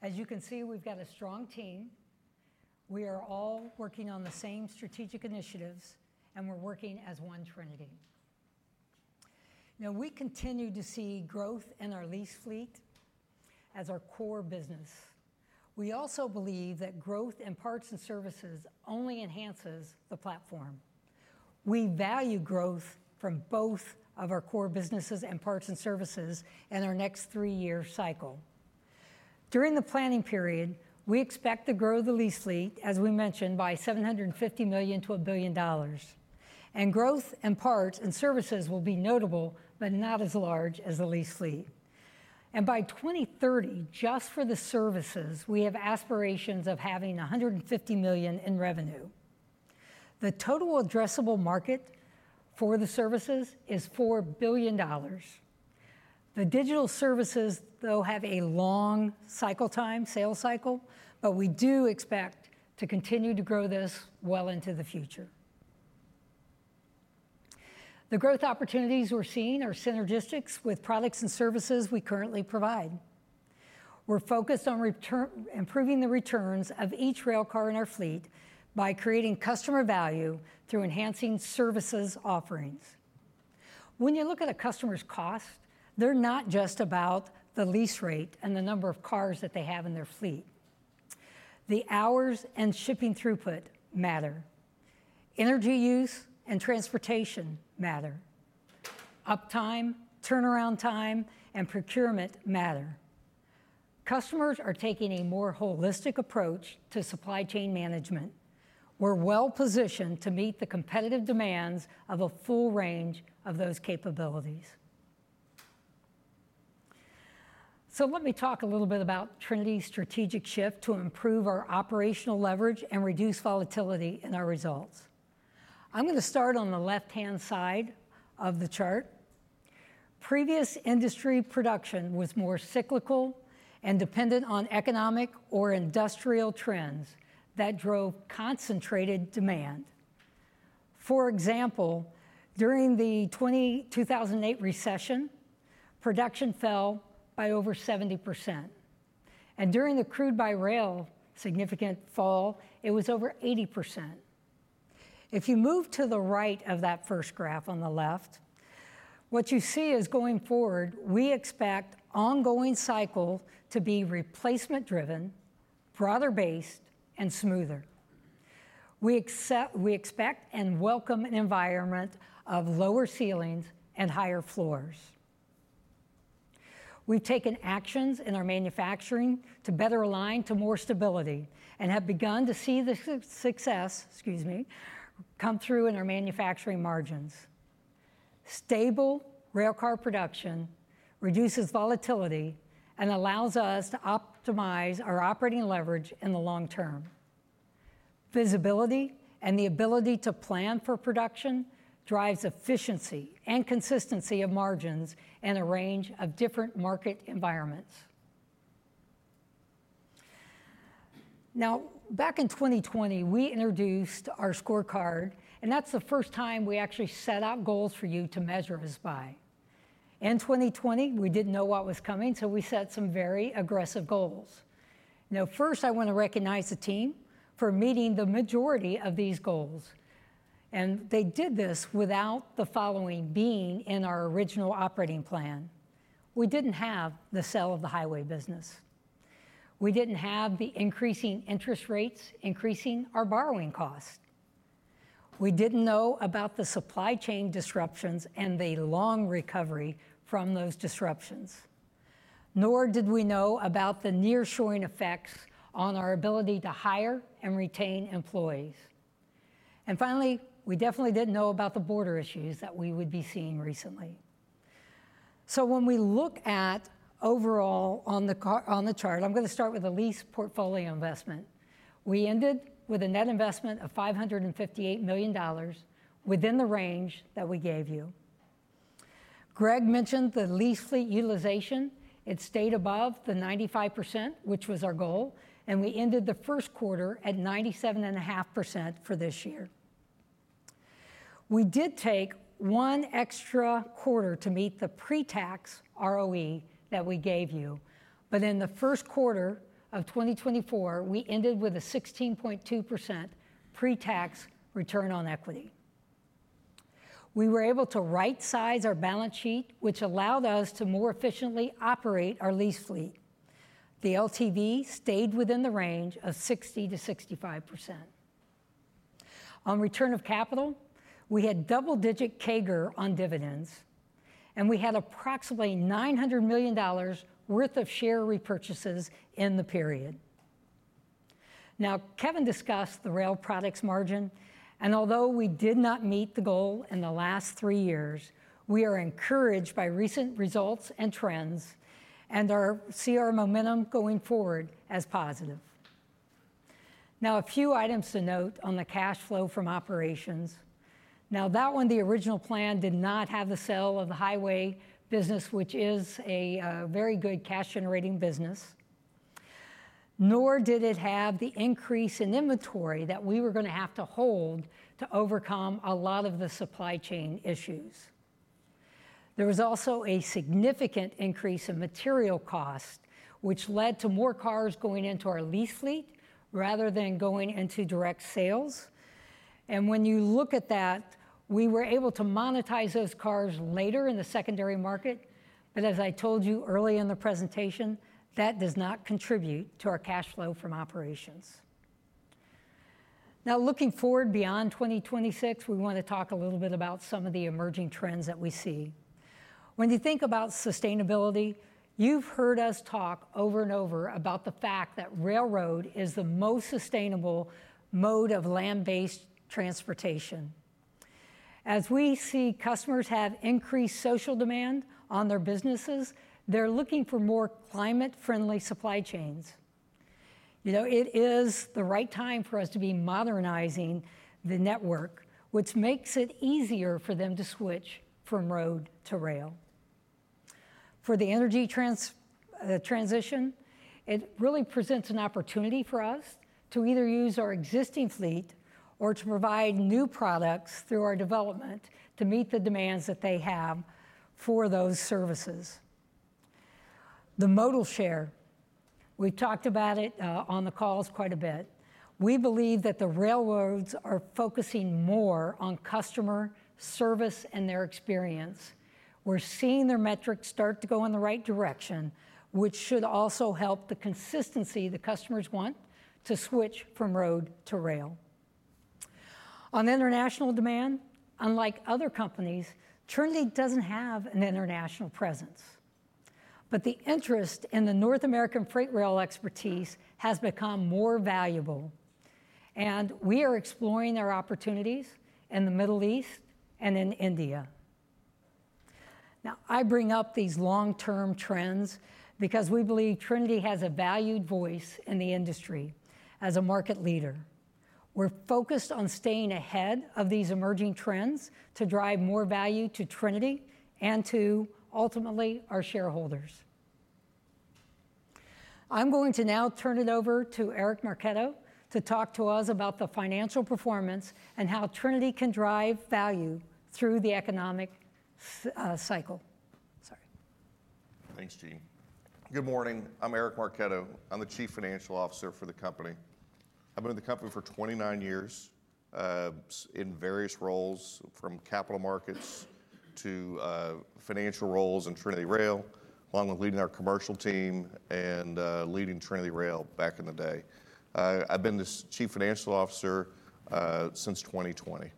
Speaker 2: As you can see, we've got a strong team. We are all working on the same strategic initiatives, and we're working as one Trinity. Now, we continue to see growth in our lease fleet as our core business. We also believe that growth in parts and services only enhances the platform. We value growth from both of our core businesses and parts and services in our next three-year cycle. During the planning period, we expect to grow the lease fleet, as we mentioned, by $750 million-$1 billion, and growth in parts and services will be notable, but not as large as the lease fleet. By 2030, just for the services, we have aspirations of having $150 million in revenue. The total addressable market for the services is $4 billion. The digital services, though, have a long cycle time, sales cycle, but we do expect to continue to grow this well into the future. The growth opportunities we're seeing are synergistic with products and services we currently provide. We're focused on returns-improving the returns of each rail car in our fleet by creating customer value through enhancing services offerings. When you look at a customer's cost, they're not just about the lease rate and the number of cars that they have in their fleet. The hours and shipping throughput matter. Energy use and transportation matter. Uptime, turnaround time, and procurement matter. Customers are taking a more holistic approach to supply chain management. We're well-positioned to meet the competitive demands of a full range of those capabilities. Let me talk a little bit about Trinity's strategic shift to improve our operational leverage and reduce volatility in our results. I'm gonna start on the left-hand side of the chart. Previous industry production was more cyclical and dependent on economic or industrial trends that drove concentrated demand. For example, during the 2008 recession, production fell by over 70%, and during the crude by rail significant fall, it was over 80%. If you move to the right of that first graph on the left, what you see is, going forward, we expect ongoing cycle to be replacement-driven, broader-based, and smoother. We expect and welcome an environment of lower ceilings and higher floors. We've taken actions in our manufacturing to better align to more stability and have begun to see the success, excuse me, come through in our manufacturing margins. Stable railcar production reduces volatility and allows us to optimize our operating leverage in the long term. Visibility and the ability to plan for production drives efficiency and consistency of margins in a range of different market environments. Now, back in 2020, we introduced our scorecard, and that's the first time we actually set out goals for you to measure us by. In 2020, we didn't know what was coming, so we set some very aggressive goals. Now, first, I want to recognize the team for meeting the majority of these goals, and they did this without the following being in our original operating plan. We didn't have the sale of the highway business. We didn't have the increasing interest rates increasing our borrowing cost. We didn't know about the supply chain disruptions and the long recovery from those disruptions, nor did we know about the nearshoring effects on our ability to hire and retain employees. And finally, we definitely didn't know about the border issues that we would be seeing recently. So when we look at overall on the chart, I'm gonna start with the lease portfolio investment. We ended with a net investment of $558 million within the range that we gave you. Greg mentioned the lease fleet utilization. It stayed above the 95%, which was our goal, and we ended the first quarter at 97.5% for this year. We did take one extra quarter to meet the pre-tax ROE that we gave you, but in the first quarter of 2024, we ended with a 16.2% pre-tax return on equity. We were able to rightsize our balance sheet, which allowed us to more efficiently operate our lease fleet. The LTV stayed within the range of 60%-65%. On return of capital, we had double-digit CAGR on dividends, and we had approximately $900 million worth of share repurchases in the period. Now, Kevin discussed the rail products margin, and although we did not meet the goal in the last three years, we are encouraged by recent results and trends and are seeing our momentum going forward as positive. Now, a few items to note on the cash flow from operations. Now, that one, the original plan did not have the sale of the highway business, which is a very good cash-generating business, nor did it have the increase in inventory that we were gonna have to hold to overcome a lot of the supply chain issues. There was also a significant increase in material cost, which led to more cars going into our lease fleet rather than going into direct sales. And when you look at that, we were able to monetize those cars later in the secondary market, but as I told you early in the presentation, that does not contribute to our cash flow from operations. Now, looking forward beyond 2026, we want to talk a little bit about some of the emerging trends that we see. When you think about sustainability, you've heard us talk over and over about the fact that railroad is the most sustainable mode of land-based transportation. As we see customers have increased social demand on their businesses, they're looking for more climate-friendly supply chains. You know, it is the right time for us to be modernizing the network, which makes it easier for them to switch from road to rail. For the energy transition, it really presents an opportunity for us to either use our existing fleet or to provide new products through our development to meet the demands that they have for those services. The modal share, we've talked about it, on the calls quite a bit. We believe that the railroads are focusing more on customer service and their experience. We're seeing their metrics start to go in the right direction, which should also help the consistency the customers want to switch from road to rail. On international demand, unlike other companies, Trinity doesn't have an international presence, but the interest in the North American freight rail expertise has become more valuable. and we are exploring our opportunities in the Middle East and in India. Now, I bring up these long-term trends because we believe Trinity has a valued voice in the industry as a market leader. We're focused on staying ahead of these emerging trends to drive more value to Trinity and to, ultimately, our shareholders. I'm going to now turn it over to Eric Marchetto to talk to us about the financial performance and how Trinity can drive value through the economic cycle. Sorry.
Speaker 7: Thanks, Jean. Good morning. I'm Eric Marchetto. I'm the Chief Financial Officer for the company. I've been with the company for 29 years in various roles, from capital markets to financial roles in TrinityRail, along with leading our commercial team and leading TrinityRail back in the day. I've been the Chief Financial Officer since 2020.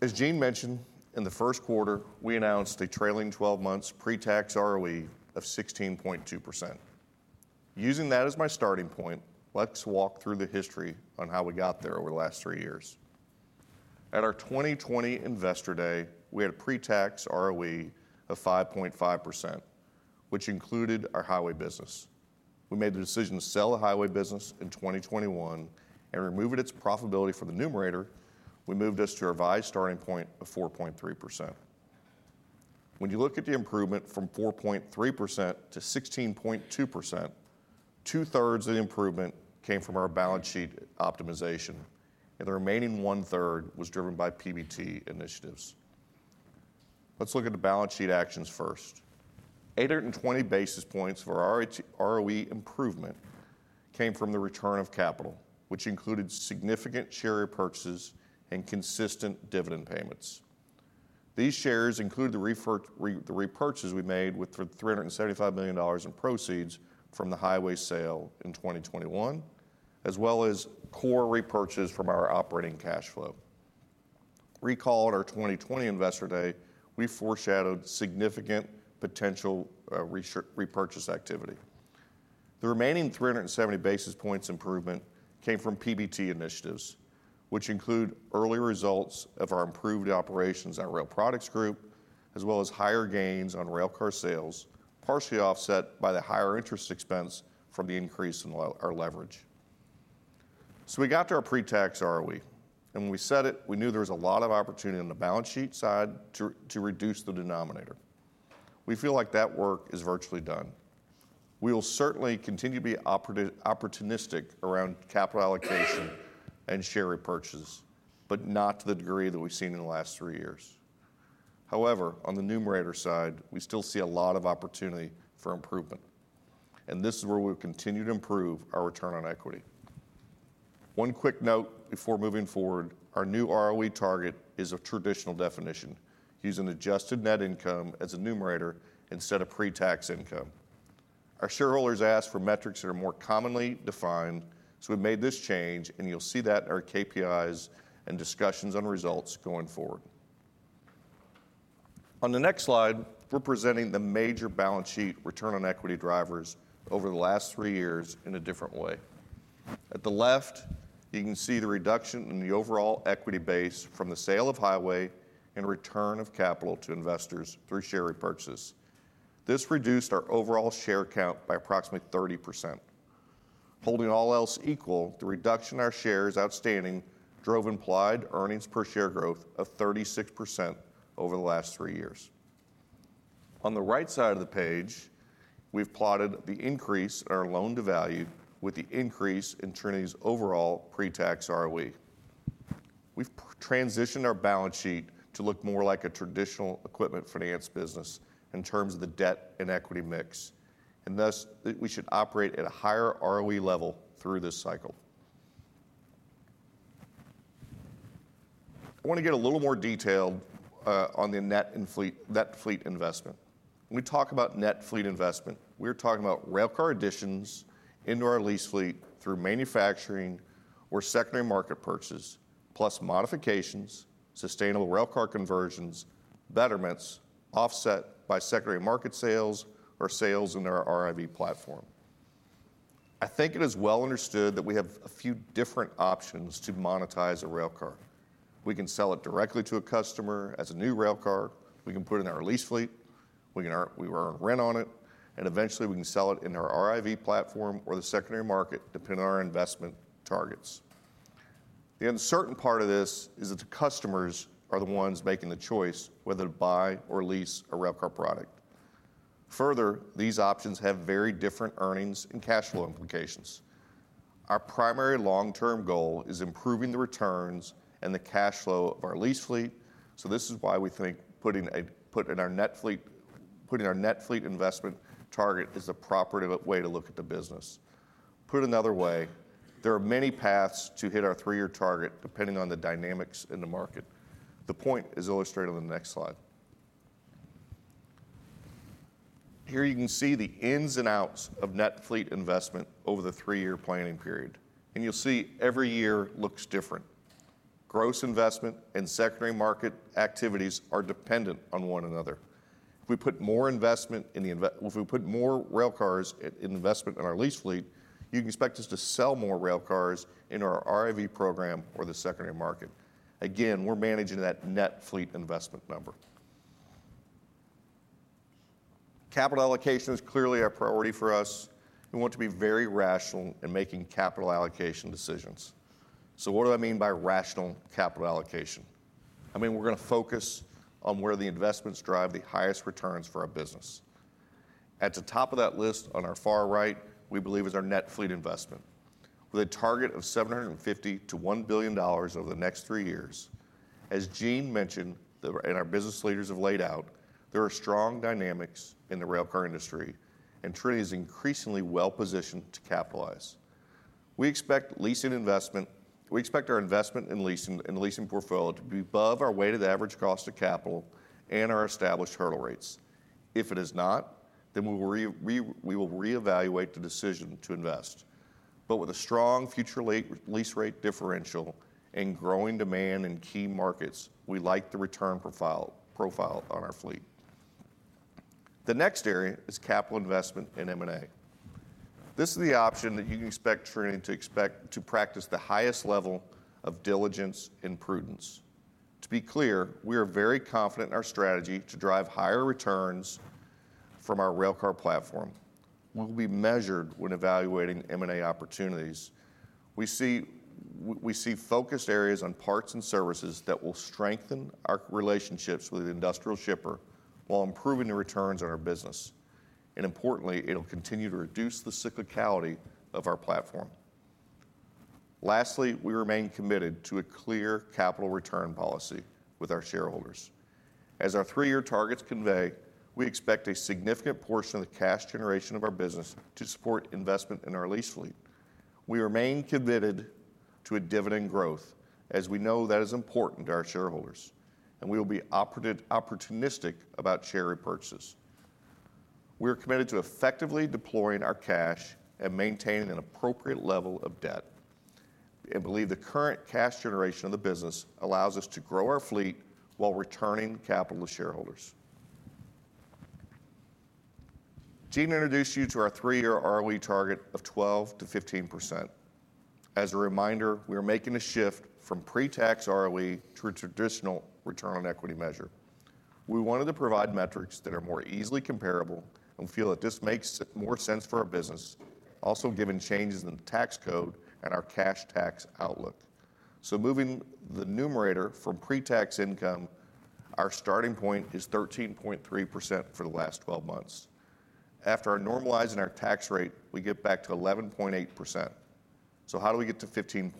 Speaker 7: As Jean mentioned, in the first quarter, we announced a trailing twelve months pre-tax ROE of 16.2%. Using that as my starting point, let's walk through the history on how we got there over the last three years. At our 2020 Investor Day, we had a pre-tax ROE of 5.5%, which included our highway business. We made the decision to sell the highway business in 2021 and removing its profitability from the numerator, we moved us to a revised starting point of 4.3%. When you look at the improvement from 4.3% to 16.2%, two-thirds of the improvement came from our balance sheet optimization, and the remaining one-third was driven by PBT initiatives. Let's look at the balance sheet actions first. 820 basis points of our ROE improvement came from the return of capital, which included significant share repurchases and consistent dividend payments. These shares include the repurchases we made with $375 million in proceeds from the highway sale in 2021, as well as core repurchases from our operating cash flow. Recall at our 2020 Investor Day, we foreshadowed significant potential, share repurchase activity. The remaining 370 basis points improvement came from PBT initiatives, which include early results of our improved operations at Rail Products Group, as well as higher gains on railcar sales, partially offset by the higher interest expense from the increase in our leverage. So we got to our pre-tax ROE, and when we set it, we knew there was a lot of opportunity on the balance sheet side to reduce the denominator. We feel like that work is virtually done. We will certainly continue to be opportunistic around capital allocation and share repurchases, but not to the degree that we've seen in the last three years. However, on the numerator side, we still see a lot of opportunity for improvement, and this is where we've continued to improve our return on equity. One quick note before moving forward, our new ROE target is a traditional definition, using adjusted net income as a numerator instead of pre-tax income. Our shareholders ask for metrics that are more commonly defined, so we've made this change, and you'll see that in our KPIs and discussions on results going forward. On the next slide, we're presenting the major balance sheet return on equity drivers over the last three years in a different way. At the left, you can see the reduction in the overall equity base from the sale of highway and return of capital to investors through share repurchases. This reduced our overall share count by approximately 30%. Holding all else equal, the reduction in our shares outstanding drove implied earnings per share growth of 36% over the last three years. On the right side of the page, we've plotted the increase in our loan-to-value with the increase in Trinity's overall pre-tax ROE. We've transitioned our balance sheet to look more like a traditional equipment finance business in terms of the debt and equity mix, and thus, we should operate at a higher ROE level through this cycle. I want to get a little more detailed on the net and fleet, net fleet investment. When we talk about net fleet investment, we're talking about railcar additions into our lease fleet through manufacturing or secondary market purchases, plus modifications, sustainable railcar conversions, betterments, offset by secondary market sales or sales in our RIV platform. I think it is well understood that we have a few different options to monetize a railcar. We can sell it directly to a customer as a new railcar, we can put it in our lease fleet, we earn rent on it, and eventually, we can sell it in our RIV platform or the secondary market, depending on our investment targets. The uncertain part of this is that the customers are the ones making the choice whether to buy or lease a railcar product. Further, these options have very different earnings and cash flow implications. Our primary long-term goal is improving the returns and the cash flow of our lease fleet, so this is why we think putting our net fleet investment target is a proper way to look at the business. Put another way, there are many paths to hit our three-year target, depending on the dynamics in the market. The point is illustrated on the next slide. Here you can see the ins and outs of net fleet investment over the three-year planning period, and you'll see every year looks different. Gross investment and secondary market activities are dependent on one another. If we put more railcars in investment in our lease fleet, you can expect us to sell more railcars in our RIV program or the secondary market. Again, we're managing that net fleet investment number. Capital allocation is clearly a priority for us. We want to be very rational in making capital allocation decisions. So what do I mean by rational capital allocation? I mean, we're gonna focus on where the investments drive the highest returns for our business. At the top of that list, on our far right, we believe is our net fleet investment, with a target of $750 million-$1 billion over the next three years. As Jean mentioned, and our business leaders have laid out, there are strong dynamics in the railcar industry, and Trinity is increasingly well-positioned to capitalize. We expect leasing investment - we expect our investment in leasing, in the leasing portfolio, to be above our weighted average cost of capital and our established hurdle rates. If it is not, then we will reevaluate the decision to invest. But with a strong future lease rate differential and growing demand in key markets, we like the return profile on our fleet. The next area is capital investment in M&A. This is the option that you can expect Trinity to expect, to practice the highest level of diligence and prudence. To be clear, we are very confident in our strategy to drive higher returns from our railcar platform. We'll be measured when evaluating M&A opportunities. We see, we see focused areas on parts and services that will strengthen our relationships with the industrial shipper while improving the returns on our business. Importantly, it'll continue to reduce the cyclicality of our platform. Lastly, we remain committed to a clear capital return policy with our shareholders. As our three-year targets convey, we expect a significant portion of the cash generation of our business to support investment in our lease fleet. We remain committed to a dividend growth, as we know that is important to our shareholders, and we will be opportunistic about share repurchases. We are committed to effectively deploying our cash and maintaining an appropriate level of debt, and believe the current cash generation of the business allows us to grow our fleet while returning capital to shareholders. Jean introduced you to our 3-year ROE target of 12%-15%. As a reminder, we are making a shift from pre-tax ROE to a traditional return on equity measure. We wanted to provide metrics that are more easily comparable and feel that this makes more sense for our business, also given changes in the tax code and our cash tax outlook. Moving the numerator from pre-tax income, our starting point is 13.3% for the last twelve months. After normalizing our tax rate, we get back to 11.8%. So how do we get to 15%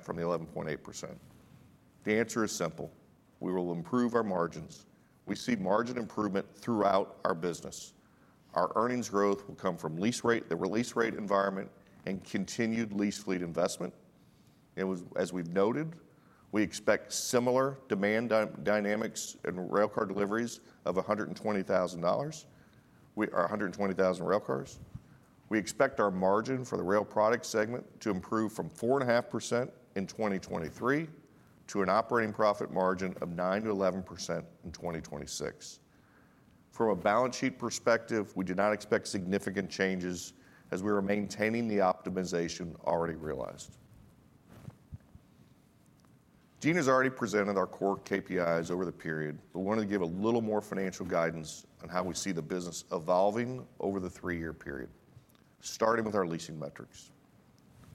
Speaker 7: from the 11.8%? The answer is simple: We will improve our margins. We see margin improvement throughout our business. Our earnings growth will come from lease rate, the release rate environment, and continued lease fleet investment. It was, as we've noted, we expect similar demand dynamics and railcar deliveries of 120,000 railcars. We expect our margin for the rail product segment to improve from 4.5% in 2023 to an operating profit margin of 9%-11% in 2026. From a balance sheet perspective, we do not expect significant changes as we are maintaining the optimization already realized. Jean has already presented our core KPIs over the period, but wanted to give a little more financial guidance on how we see the business evolving over the three-year period, starting with our leasing metrics.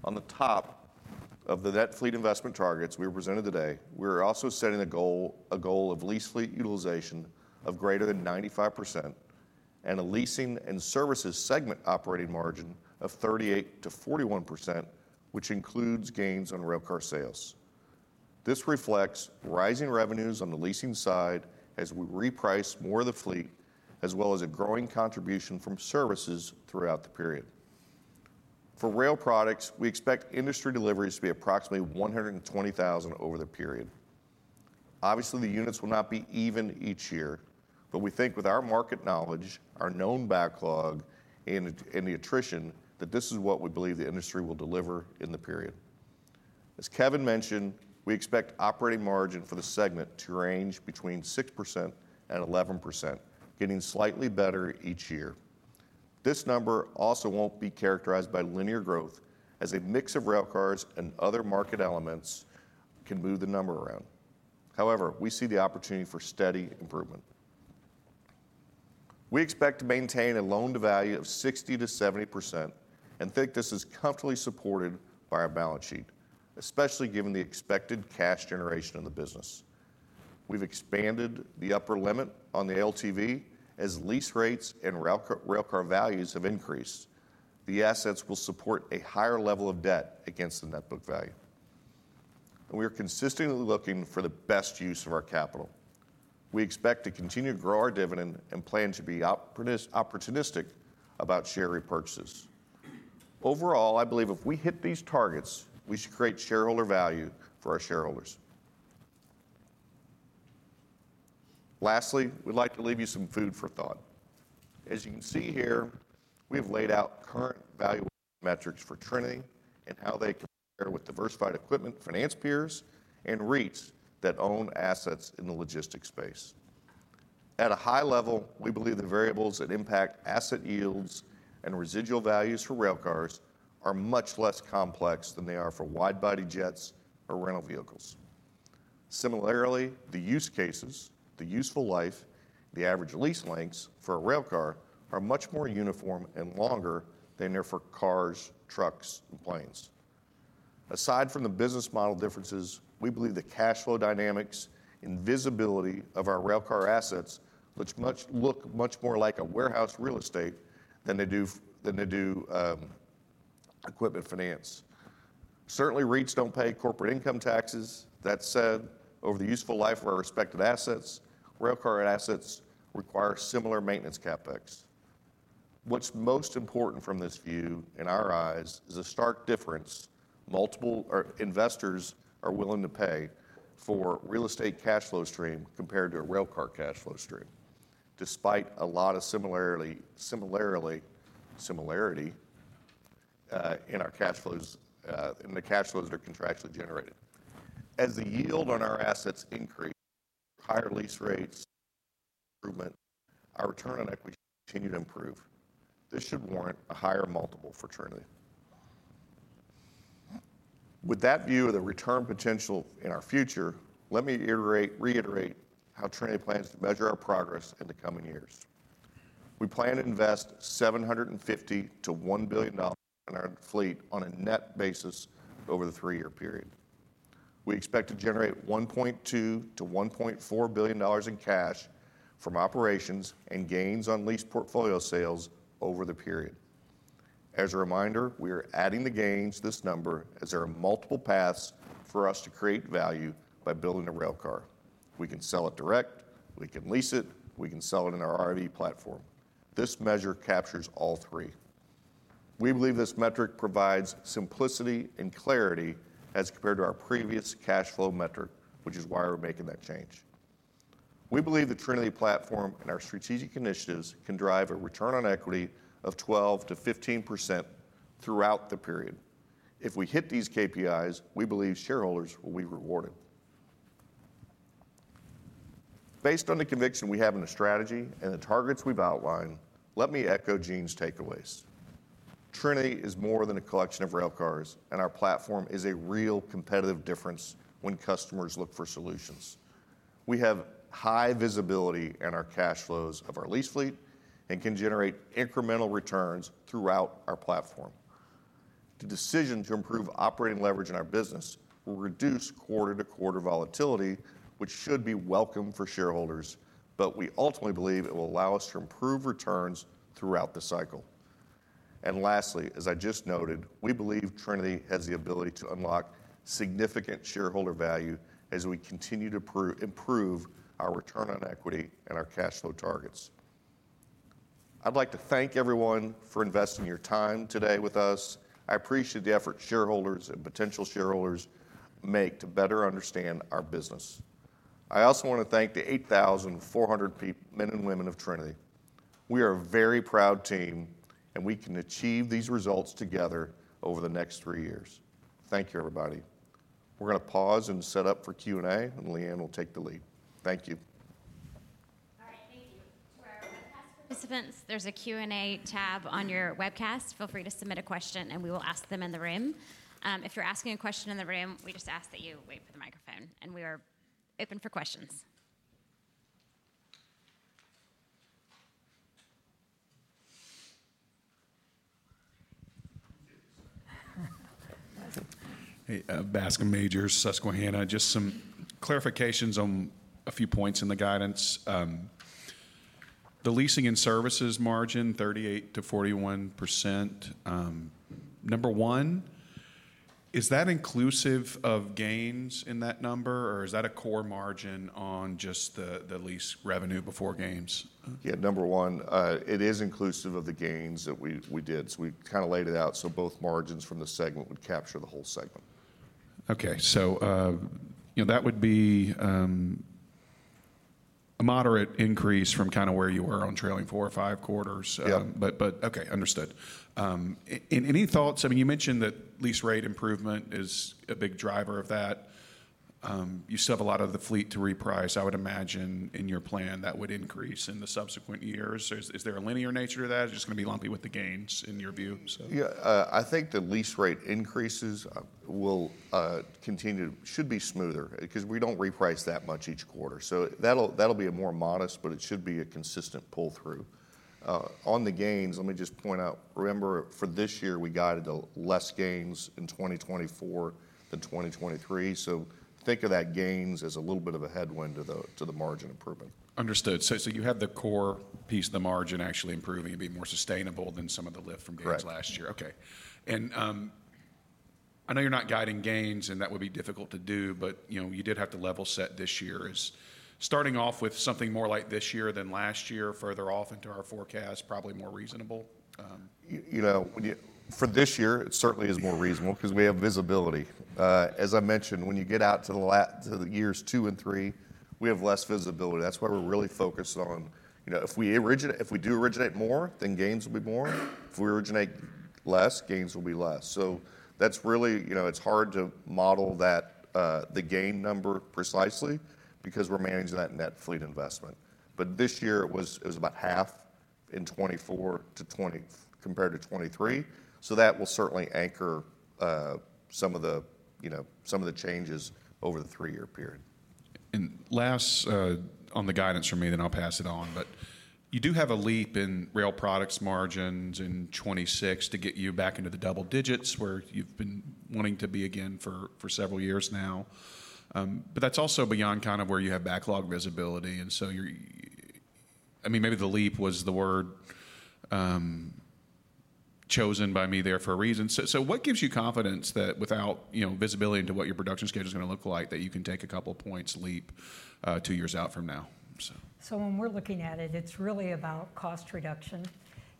Speaker 7: On the top of the net fleet investment targets we presented today, we are also setting a goal, a goal of lease fleet utilization of greater than 95% and a leasing and services segment operating margin of 38%-41%, which includes gains on railcar sales. This reflects rising revenues on the leasing side as we reprice more of the fleet, as well as a growing contribution from services throughout the period. For rail products, we expect industry deliveries to be approximately 120,000 over the period. Obviously, the units will not be even each year, but we think with our market knowledge, our known backlog and the attrition, that this is what we believe the industry will deliver in the period. As Kevin mentioned, we expect operating margin for the segment to range between 6% and 11%, getting slightly better each year. This number also won't be characterized by linear growth, as a mix of railcars and other market elements can move the number around. However, we see the opportunity for steady improvement. We expect to maintain a loan-to-value of 60%-70% and think this is comfortably supported by our balance sheet, especially given the expected cash generation of the business. We've expanded the upper limit on the LTV, as lease rates and railcar, railcar values have increased. The assets will support a higher level of debt against the net book value. And we are consistently looking for the best use of our capital. We expect to continue to grow our dividend and plan to be opportunistic about share repurchases. Overall, I believe if we hit these targets, we should create shareholder value for our shareholders. Lastly, we'd like to leave you some food for thought. As you can see here, we have laid out current valuation metrics for Trinity and how they compare with diversified equipment, finance peers, and REITs that own assets in the logistics space. At a high level, we believe the variables that impact asset yields and residual values for railcars are much less complex than they are for wide-body jets or rental vehicles. Similarly, the use cases, the useful life, the average lease lengths for a railcar are much more uniform and longer than they are for cars, trucks, and planes. Aside from the business model differences, we believe the cash flow dynamics and visibility of our railcar assets look much more like a warehouse real estate than they do equipment finance. Certainly, REITs don't pay corporate income taxes. That said, over the useful life of our respective assets, railcar assets require similar maintenance CapEx. What's most important from this view, in our eyes, is a stark difference. Multiples that investors are willing to pay for real estate cash flow stream compared to a railcar cash flow stream, despite a lot of similarity in our cash flows, in the cash flows that are contractually generated. As the yield on our assets increase, higher lease rates improvement, our return on equity continue to improve. This should warrant a higher multiple for Trinity. With that view of the return potential in our future, let me iterate, reiterate how Trinity plans to measure our progress in the coming years. We plan to invest $750 million-$1 billion in our fleet on a net basis over the three-year period. We expect to generate $1.2-$1.4 billion in cash from operations and gains on leased portfolio sales over the period. As a reminder, we are adding the gains to this number, as there are multiple paths for us to create value by building a railcar. We can sell it direct, we can lease it, we can sell it in our RIV platform. This measure captures all three. We believe this metric provides simplicity and clarity as compared to our previous cash flow metric, which is why we're making that change. We believe the Trinity platform and our strategic initiatives can drive a return on equity of 12%-15% throughout the period. If we hit these KPIs, we believe shareholders will be rewarded. Based on the conviction we have in the strategy and the targets we've outlined, let me echo Jean's takeaways. Trinity is more than a collection of railcars, and our platform is a real competitive difference when customers look for solutions. We have high visibility in our cash flows of our lease fleet and can generate incremental returns throughout our platform. The decision to improve operating leverage in our business will reduce quarter-to-quarter volatility, which should be welcome for shareholders, but we ultimately believe it will allow us to improve returns throughout the cycle. And lastly, as I just noted, we believe Trinity has the ability to unlock significant shareholder value as we continue to improve our return on equity and our cash flow targets. I'd like to thank everyone for investing your time today with us. I appreciate the effort shareholders and potential shareholders make to better understand our business. I also want to thank the 8,400 men and women of Trinity. We are a very proud team, and we can achieve these results together over the next three years. Thank you, everybody. We're gonna pause and set up for Q&A, and Leigh Anne will take the lead. Thank you.
Speaker 1: All right, thank you. To our webcast participants, there's a Q&A tab on your webcast. Feel free to submit a question, and we will ask them in the room. If you're asking a question in the room, we just ask that you wait for the microphone, and we are open for questions.
Speaker 8: Hey, Bascome Majors, Susquehanna. Just some clarifications on a few points in the guidance. The leasing and services margin, 38%-41%. Number one, is that inclusive of gains in that number, or is that a core margin on just the, the lease revenue before gains?
Speaker 7: Yeah, number one, it is inclusive of the gains that we did. So we kind of laid it out, so both margins from the segment would capture the whole segment.
Speaker 8: Okay, so, you know, that would be a moderate increase from kind of where you were on trailing four or five quarters.
Speaker 7: Yeah.
Speaker 8: But, but okay, understood. Any thoughts—I mean, you mentioned that lease rate improvement is a big driver of that. You still have a lot of the fleet to reprice. I would imagine in your plan that would increase in the subsequent years. So is there a linear nature to that, or just going to be lumpy with the gains in your view?
Speaker 7: Yeah, I think the lease rate increases will continue to. Should be smoother because we don't reprice that much each quarter. So that'll, that'll be a more modest, but it should be a consistent pull-through. On the gains, let me just point out, remember, for this year, we guided to less gains in 2024 than 2023. So think of that gains as a little bit of a headwind to the, to the margin improvement.
Speaker 8: Understood. So you have the core piece of the margin actually improving and be more sustainable than some of the lift from gains-
Speaker 7: Right.
Speaker 8: Last year. Okay. And, I know you're not guiding gains, and that would be difficult to do, but, you know, you did have to level set this year. Is starting off with something more like this year than last year further off into our forecast, probably more reasonable?
Speaker 7: You know, when you for this year, it certainly is more reasonable 'cause we have visibility. As I mentioned, when you get out to the latter, to the years two and three, we have less visibility. That's why we're really focused on, you know, if we originate more, then gains will be more. If we originate less, gains will be less. So that's really. You know, it's hard to model that the gain number precisely because we're managing that net fleet investment. But this year it was about half in 2024 to 2025 compared to 2023. So that will certainly anchor some of the, you know, some of the changes over the three-year period.
Speaker 8: Last, on the guidance from me, then I'll pass it on. But you do have a leap in rail products margins in 2026 to get you back into the double digits, where you've been wanting to be again for, for several years now. But that's also beyond kind of where you have backlog visibility, and so you're, I mean, maybe the leap was the word chosen by me there for a reason. So, so what gives you confidence that without, you know, visibility into what your production schedule is gonna look like, that you can take a couple points leap, two years out from now? So.
Speaker 2: So when we're looking at it, it's really about cost reduction,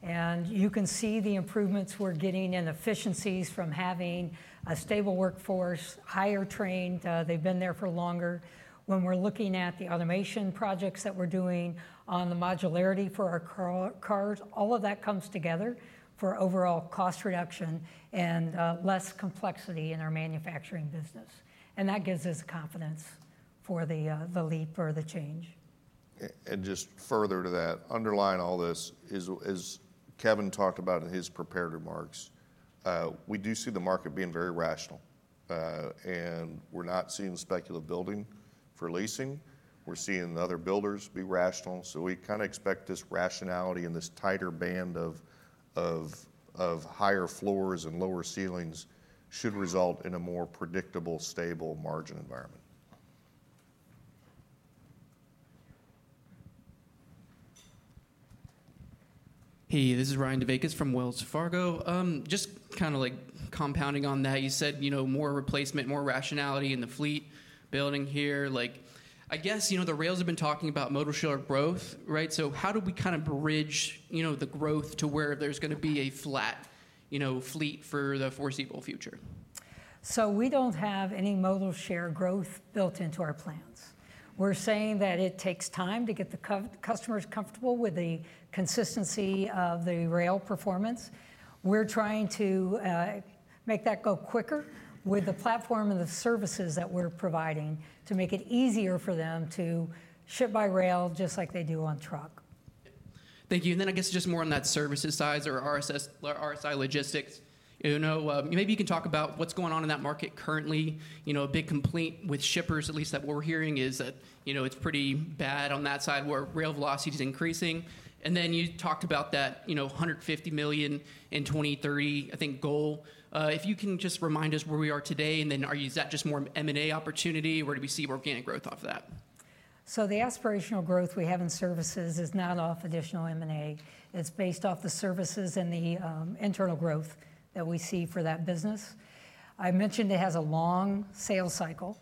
Speaker 2: and you can see the improvements we're getting in efficiencies from having a stable workforce, higher trained, they've been there for longer. When we're looking at the automation projects that we're doing on the modularity for our car, cars, all of that comes together for overall cost reduction and, less complexity in our manufacturing business, and that gives us confidence for the leap or the change.
Speaker 7: Just further to that, underlying all this is, as Kevin talked about in his prepared remarks, we do see the market being very rational, and we're not seeing speculative building for leasing. We're seeing the other builders be rational. So we kinda expect this rationality and this tighter band of higher floors and lower ceilings should result in a more predictable, stable margin environment.
Speaker 9: Hey, this is Ryan Deveikis from Wells Fargo. Just kinda like compounding on that, you said, you know, more replacement, more rationality in the fleet building here. Like, I guess, you know, the rails have been talking about modal share growth, right? So how do we kind of bridge, you know, the growth to where there's gonna be a flat, you know, fleet for the foreseeable future?
Speaker 2: So we don't have any modal share growth built into our plans. We're saying that it takes time to get the customers comfortable with the consistency of the rail performance. We're trying to make that go quicker with the platform and the services that we're providing to make it easier for them to ship by rail, just like they do on truck.
Speaker 9: Thank you. And then I guess just more on that services side or RSI, or RSI Logistics, you know, maybe you can talk about what's going on in that market currently. You know, a big complaint with shippers, at least that we're hearing, is that, you know, it's pretty bad on that side, where rail velocity is increasing. And then you talked about that, you know, $150 million in 2023, I think, goal. If you can just remind us where we are today, and then are, is that just more M&A opportunity, or do we see organic growth off that?
Speaker 2: So the aspirational growth we have in services is not off additional M&A. It's based off the services and the internal growth that we see for that business. I mentioned it has a long sales cycle.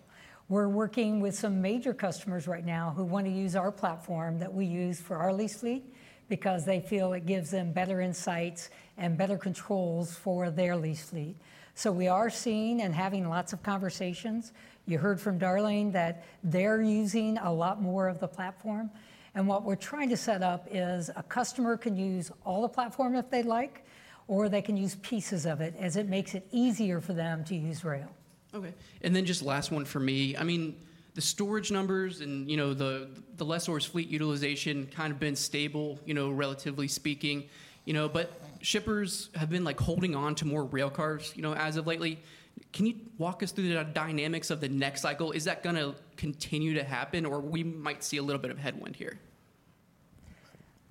Speaker 2: We're working with some major customers right now who want to use our platform that we use for our lease fleet because they feel it gives them better insights and better controls for their lease fleet. So we are seeing and having lots of conversations. You heard from Darling that they're using a lot more of the platform, and what we're trying to set up is a customer can use all the platform if they'd like, or they can use pieces of it as it makes it easier for them to use rail.
Speaker 9: Okay, and then just last one for me. I mean, the storage numbers and, you know, the, the lessor fleet utilization kind of been stable, you know, relatively speaking, you know, but shippers have been, like, holding on to more rail cars, you know, as of lately. Can you walk us through the dynamics of the next cycle? Is that gonna continue to happen, or we might see a little bit of headwind here?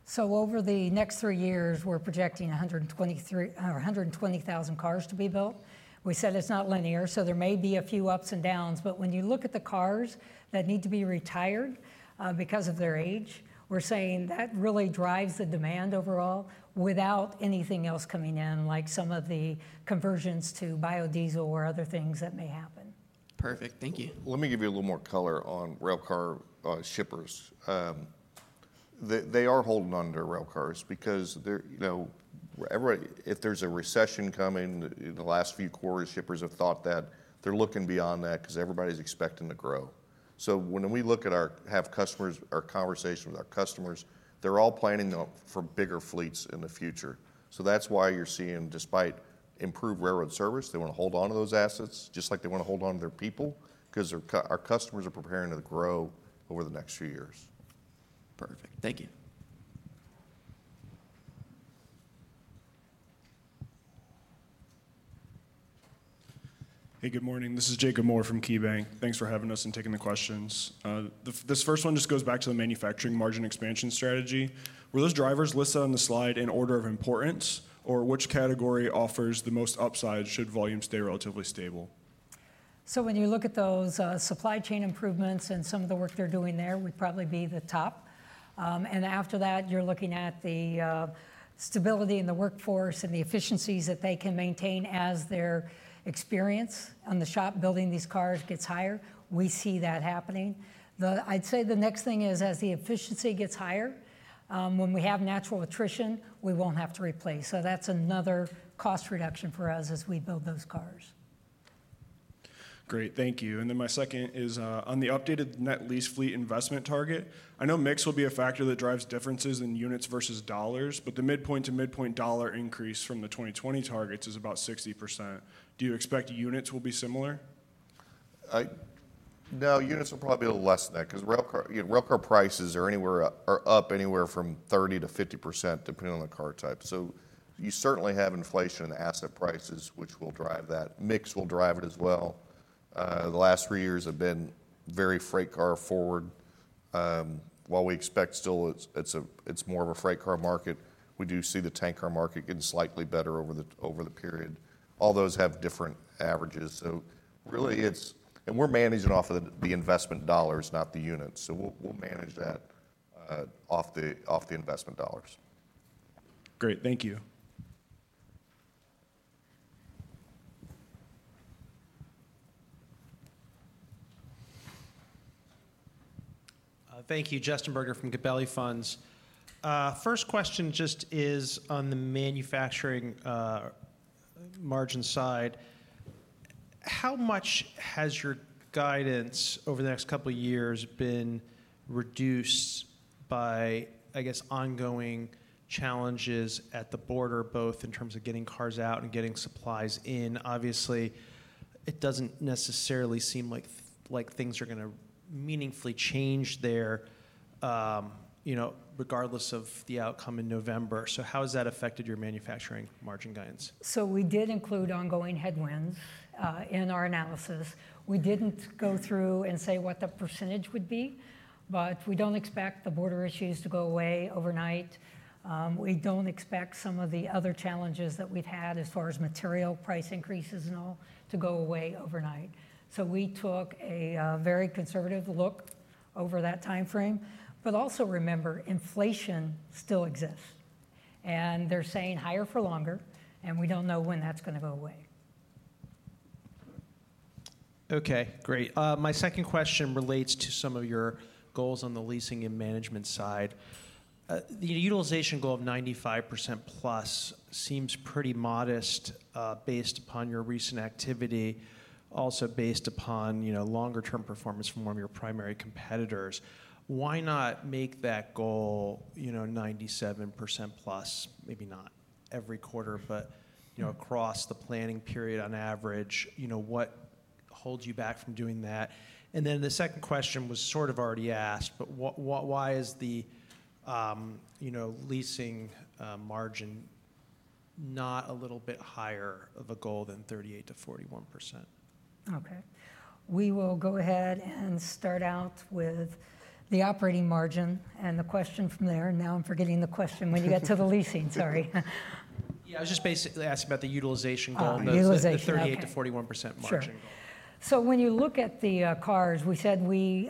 Speaker 2: So over the next three years, we're projecting 123, or 120,000 cars to be built. We said it's not linear, so there may be a few ups and downs, but when you look at the cars that need to be retired, because of their age, we're saying that really drives the demand overall without anything else coming in, like some of the conversions to biodiesel or other things that may happen.
Speaker 9: Perfect. Thank you.
Speaker 7: Let me give you a little more color on railcar shippers. They are holding on to railcars because they're, you know, everybody—if there's a recession coming, in the last few quarters, shippers have thought that. They're looking beyond that 'cause everybody's expecting to grow. So when we look at our customers, our conversation with our customers, they're all planning on for bigger fleets in the future. So that's why you're seeing, despite improved railroad service, they wanna hold on to those assets, just like they wanna hold on to their people, 'cause our customers are preparing to grow over the next few years.
Speaker 9: Perfect. Thank you.
Speaker 10: Hey, good morning. This is Jacob Moore from KeyBanc. Thanks for having us and taking the questions. This first one just goes back to the manufacturing margin expansion strategy. Were those drivers listed on the slide in order of importance, or which category offers the most upside should volume stay relatively stable?.
Speaker 2: So when you look at those, supply chain improvements and some of the work they're doing there would probably be the top. And after that, you're looking at the, stability in the workforce and the efficiencies that they can maintain as their experience on the shop building these cars gets higher. We see that happening. I'd say the next thing is, as the efficiency gets higher, when we have natural attrition, we won't have to replace. So that's another cost reduction for us as we build those cars.
Speaker 10: Great, thank you. And then my second is on the updated net lease fleet investment target. I know mix will be a factor that drives differences in units versus dollars, but the midpoint to midpoint dollar increase from the 2020 targets is about 60%. Do you expect the units will be similar?
Speaker 7: No, units will probably be a little less than that because railcar, you know, railcar prices are up anywhere from 30%-50%, depending on the car type. So you certainly have inflation in the asset prices, which will drive that. Mix will drive it as well. The last three years have been very freight car forward. While we expect, still, it's more of a freight car market, we do see the tank car market getting slightly better over the period. All those have different averages. So really, it's. We're managing off of the investment dollars, not the units. So we'll manage that off the investment dollars.
Speaker 10: Great, thank you.
Speaker 11: Thank you. Justin Bergner from Gabelli Funds. First question just is on the manufacturing margin side. How much has your guidance over the next couple of years been reduced by, I guess, ongoing challenges at the border, both in terms of getting cars out and getting supplies in? Obviously, it doesn't necessarily seem like, like things are gonna meaningfully change there, you know, regardless of the outcome in November. So how has that affected your manufacturing margin guidance?
Speaker 2: So we did include ongoing headwinds in our analysis. We didn't go through and say what the percentage would be, but we don't expect the border issues to go away overnight. We don't expect some of the other challenges that we've had as far as material price increases and all, to go away overnight. So we took a very conservative look over that time frame. But also remember, inflation still exists, and they're saying higher for longer, and we don't know when that's gonna go away.
Speaker 11: Okay, great. My second question relates to some of your goals on the leasing and management side. The utilization goal of 95%+ seems pretty modest, based upon your recent activity, also based upon, you know, longer-term performance from one of your primary competitors. Why not make that goal, you know, 97%+? Maybe not every quarter, but, you know, across the planning period on average. You know, what holds you back from doing that? And then the second question was sort of already asked, but what, why is the, you know, leasing margin not a little bit higher of a goal than 38%-41%?
Speaker 2: Okay. We will go ahead and start out with the operating margin and the question from there. Now, I'm forgetting the question when you get to the leasing. Sorry.
Speaker 11: Yeah, I was just basically asking about the utilization goal-
Speaker 2: Uh, utilization
Speaker 11: The 38%-41% margin goal.
Speaker 2: Sure. So when you look at the cars, we said we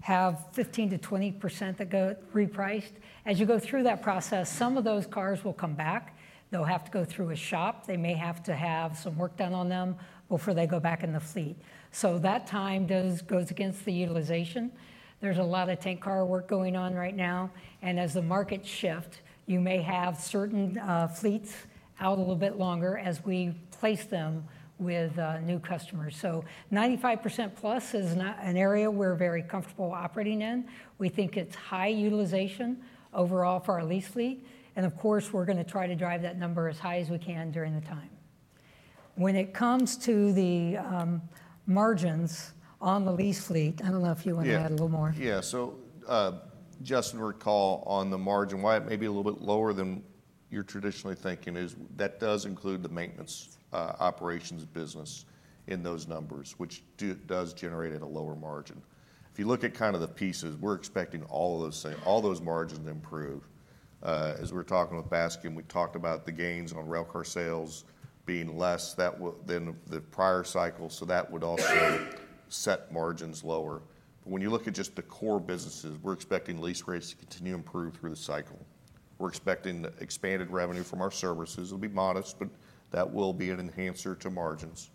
Speaker 2: have 15%-20% that go repriced. As you go through that process, some of those cars will come back. They'll have to go through a shop. They may have to have some work done on them before they go back in the fleet. So that time does go against the utilization. There's a lot of tank car work going on right now, and as the markets shift, you may have certain fleets out a little bit longer as we place them with new customers. So 95%+ is an area we're very comfortable operating in. We think it's high utilization overall for our lease fleet, and of course, we're gonna try to drive that number as high as we can during the time. When it comes to the, margins on the lease fleet, I don't know if you want to add a little more.
Speaker 7: Yeah. Yeah, so just recall on the margin, why it may be a little bit lower than you're traditionally thinking is that does include the maintenance operations business in those numbers, which does generate at a lower margin. If you look at kind of the pieces, we're expecting all of those same, all those margins to improve. As we were talking with Bascome, we talked about the gains on railcar sales being less than the prior cycle, so that would also set margins lower. But when you look at just the core businesses, we're expecting lease rates to continue to improve through the cycle. We're expecting expanded revenue from our services. It'll be modest, but that will be an enhancer to margins.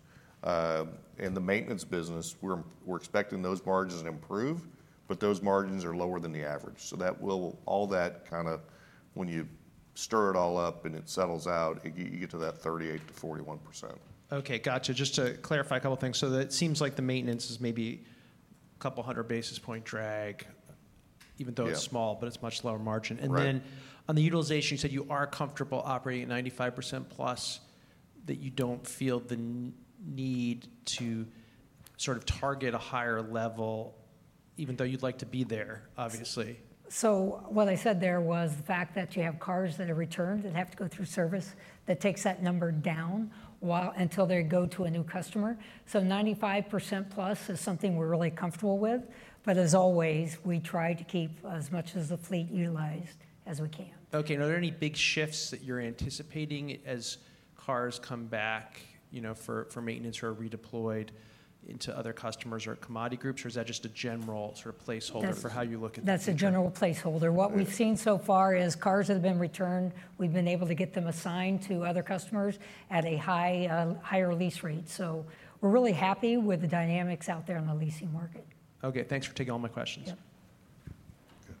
Speaker 7: In the maintenance business, we're expecting those margins to improve, but those margins are lower than the average. So that will, all that kind of, when you stir it all up and it settles out, you, you get to that 38%-41%.
Speaker 11: Okay, got you. Just to clarify a couple of things. That seems like the maintenance is maybe a couple hundred basis point drag-
Speaker 7: Yeah.
Speaker 11: even though it's small, but it's much lower margin.
Speaker 7: Right.
Speaker 11: And then on the utilization, you said you are comfortable operating at 95% plus, that you don't feel the need to sort of target a higher level, even though you'd like to be there, obviously?.
Speaker 2: So what I said there was the fact that you have cars that are returned, that have to go through service, that takes that number down while until they go to a new customer. So 95% plus is something we're really comfortable with. But as always, we try to keep as much as the fleet utilized as we can.
Speaker 11: Okay. Are there any big shifts that you're anticipating as cars come back, you know, for maintenance or are redeployed into other customers or commodity groups? Or is that just a general sort of placeholder-
Speaker 2: That's-
Speaker 11: For how you look at the-
Speaker 2: That's a general placeholder.
Speaker 11: Okay.
Speaker 2: What we've seen so far is cars that have been returned. We've been able to get them assigned to other customers at a higher lease rate. So we're really happy with the dynamics out there in the leasing market.
Speaker 11: Okay, thanks for taking all my questions.
Speaker 2: Yep.
Speaker 7: Good.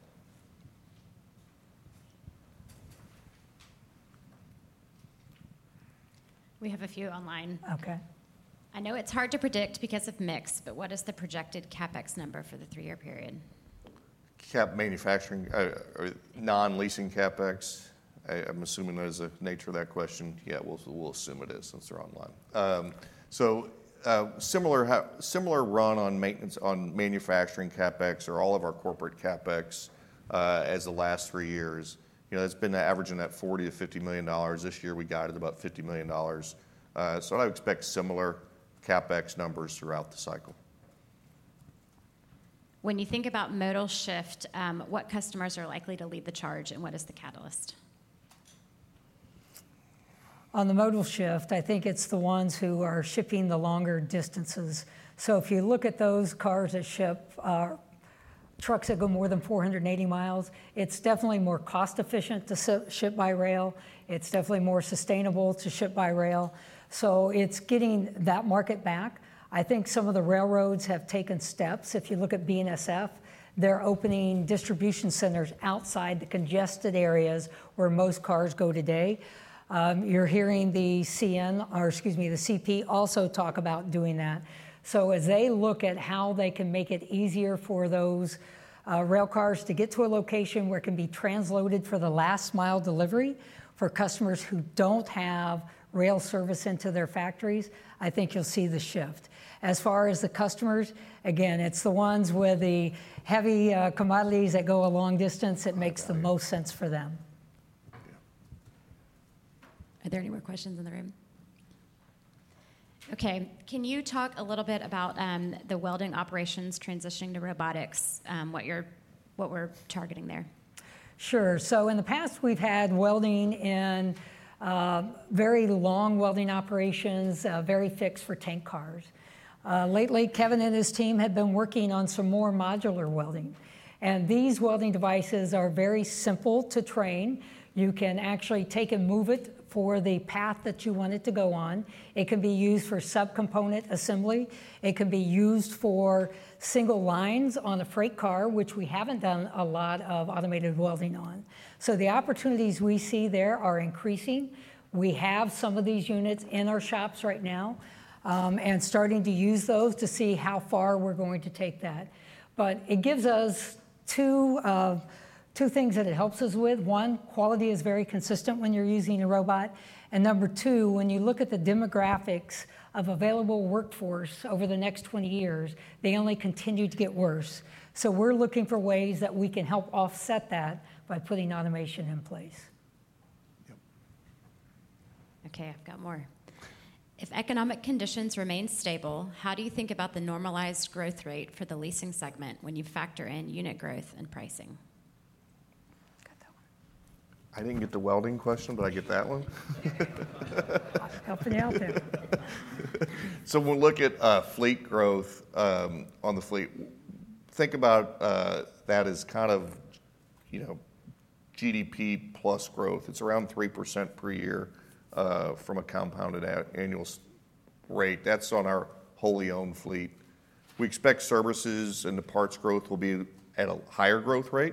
Speaker 1: We have a few online.
Speaker 2: Okay.
Speaker 1: I know it's hard to predict because of mix, but what is the projected CapEx number for the three-year period?
Speaker 7: Cap manufacturing, or non-leasing CapEx? I'm assuming that is the nature of that question. Yeah, we'll assume it is, since they're online. Similar run on maintenance, on manufacturing CapEx or all of our corporate CapEx, as the last three years. You know, it's been averaging at $40 million-$50 million. This year, we guided about $50 million. So I'd expect similar CapEx numbers throughout the cycle.
Speaker 1: When you think about modal shift, what customers are likely to lead the charge, and what is the catalyst?
Speaker 2: On the modal shift, I think it's the ones who are shipping the longer distances. So if you look at those cars that ship, trucks that go more than 480 miles, it's definitely more cost efficient to ship by rail. It's definitely more sustainable to ship by rail, so it's getting that market back. I think some of the railroads have taken steps. If you look at BNSF, they're opening distribution centers outside the congested areas where most cars go today. You're hearing the CN, or excuse me, the CP, also talk about doing that. So as they look at how they can make it easier for those, rail cars to get to a location where it can be transloaded for the last mile delivery for customers who don't have rail service into their factories, I think you'll see the shift. As far as the customers, again, it's the ones with the heavy, commodities that go a long distance-
Speaker 7: Got it.
Speaker 2: It makes the most sense for them.
Speaker 7: Yeah.
Speaker 1: Are there any more questions in the room? Okay. Can you talk a little bit about the welding operations transitioning to robotics, what you're, what we're targeting there?
Speaker 2: Sure. So in the past, we've had welding in very long welding operations, very fixed for tank cars. Lately, Kevin and his team have been working on some more modular welding, and these welding devices are very simple to train. You can actually take and move it for the path that you want it to go on. It can be used for subcomponent assembly. It can be used for single lines on a freight car, which we haven't done a lot of automated welding on. So the opportunities we see there are increasing. We have some of these units in our shops right now, and starting to use those to see how far we're going to take that. But it gives us two, two things that it helps us with. One, quality is very consistent when you're using a robot. Number two, when you look at the demographics of available workforce over the next 20 years, they only continue to get worse. So we're looking for ways that we can help offset that by putting automation in place.
Speaker 7: Yep.
Speaker 1: Okay, I've got more. If economic conditions remain stable, how do you think about the normalized growth rate for the leasing segment when you factor in unit growth and pricing?
Speaker 2: Got that one.
Speaker 7: I didn't get the welding question, but I get that one?
Speaker 2: Helping you out there.
Speaker 7: So when we look at fleet growth on the fleet, think about that as kind of, you know, GDP plus growth. It's around 3% per year from a compounded annual rate. That's on our wholly owned fleet. We expect services and the parts growth will be at a higher growth rate,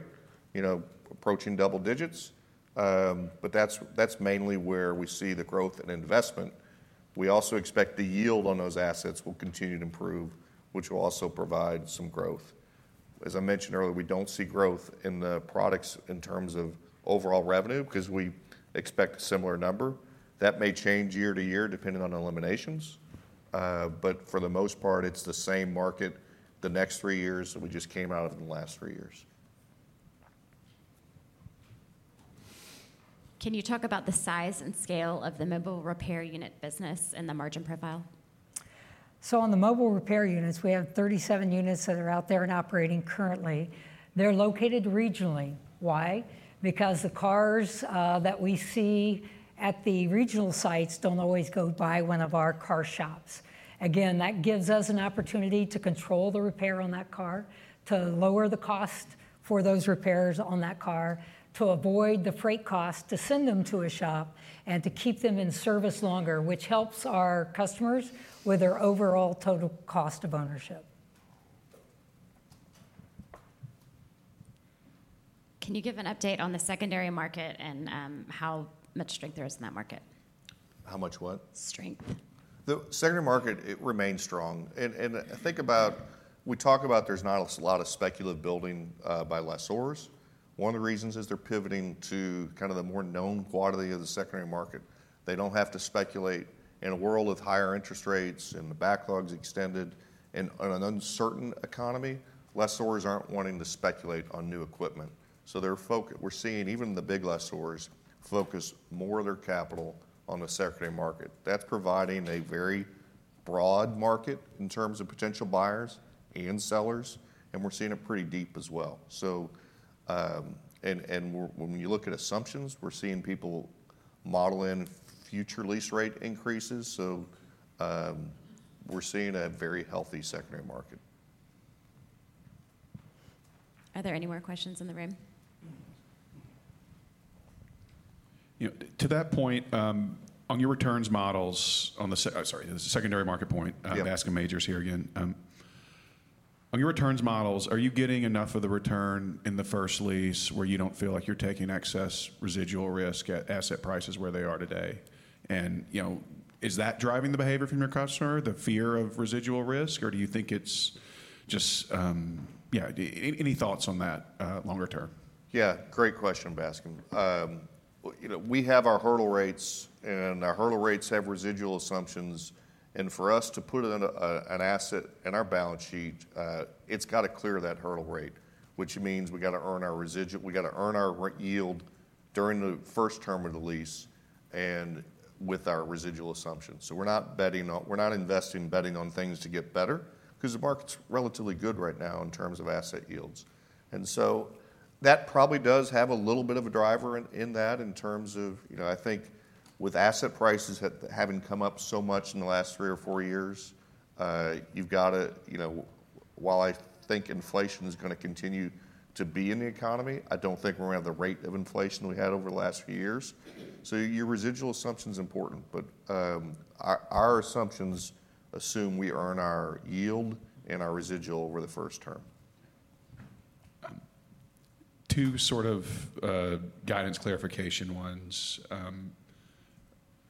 Speaker 7: you know, approaching double digits. But that's mainly where we see the growth and investment. We also expect the yield on those assets will continue to improve, which will also provide some growth. As I mentioned earlier, we don't see growth in the products in terms of overall revenue, because we expect a similar number. That may change year-to-year, depending on eliminations, but for the most part, it's the same market the next three years that we just came out of in the last three years.
Speaker 1: Can you talk about the size and scale of the mobile repair unit business and the margin profile?
Speaker 2: So on the mobile repair units, we have 37 units that are out there and operating currently. They're located regionally. Why? Because the cars that we see at the regional sites don't always go by one of our car shops. Again, that gives us an opportunity to control the repair on that car, to lower the cost for those repairs on that car, to avoid the freight cost, to send them to a shop, and to keep them in service longer, which helps our customers with their overall total cost of ownership.
Speaker 1: Can you give an update on the secondary market and, how much strength there is in that market?.
Speaker 7: How much what?
Speaker 1: Strength.
Speaker 7: The secondary market, it remains strong. Think about, we talk about there's not a lot of speculative building by lessors. One of the reasons is they're pivoting to kind of the more known quality of the secondary market. They don't have to speculate. In a world with higher interest rates and the backlogs extended, and on an uncertain economy, lessors aren't wanting to speculate on new equipment. So we're seeing even the big lessors focus more of their capital on the secondary market. That's providing a very broad market in terms of potential buyers and sellers, and we're seeing it pretty deep as well. So, when you look at assumptions, we're seeing people model in future lease rate increases, so we're seeing a very healthy secondary market.
Speaker 1: Are there any more questions in the room?
Speaker 8: You know, to that point, on your returns models on the secondary market point-
Speaker 7: Yeah.
Speaker 8: I'm asking Majors here again. On your returns models, are you getting enough of the return in the first lease, where you don't feel like you're taking excess residual risk at asset prices where they are today? And, you know, is that driving the behavior from your customer, the fear of residual risk, or do you think it's just yeah, any thoughts on that longer term?
Speaker 7: Yeah, great question, Bascome. You know, we have our hurdle rates, and our hurdle rates have residual assumptions. For us to put an asset in our balance sheet, it's got to clear that hurdle rate, which means we got to earn our residual. We got to earn our yield during the first term of the lease and with our residual assumptions. So we're not investing, betting on things to get better, 'cause the market's relatively good right now in terms of asset yields. And so, that probably does have a little bit of a driver in that, in terms of, you know, I think with asset prices having come up so much in the last three or four years, you've got to, you know. While I think inflation is going to continue to be in the economy, I don't think we're going to have the rate of inflation we had over the last few years. So your residual assumption is important, but our assumptions assume we earn our yield and our residual over the first term.
Speaker 8: Two sort of guidance clarification ones.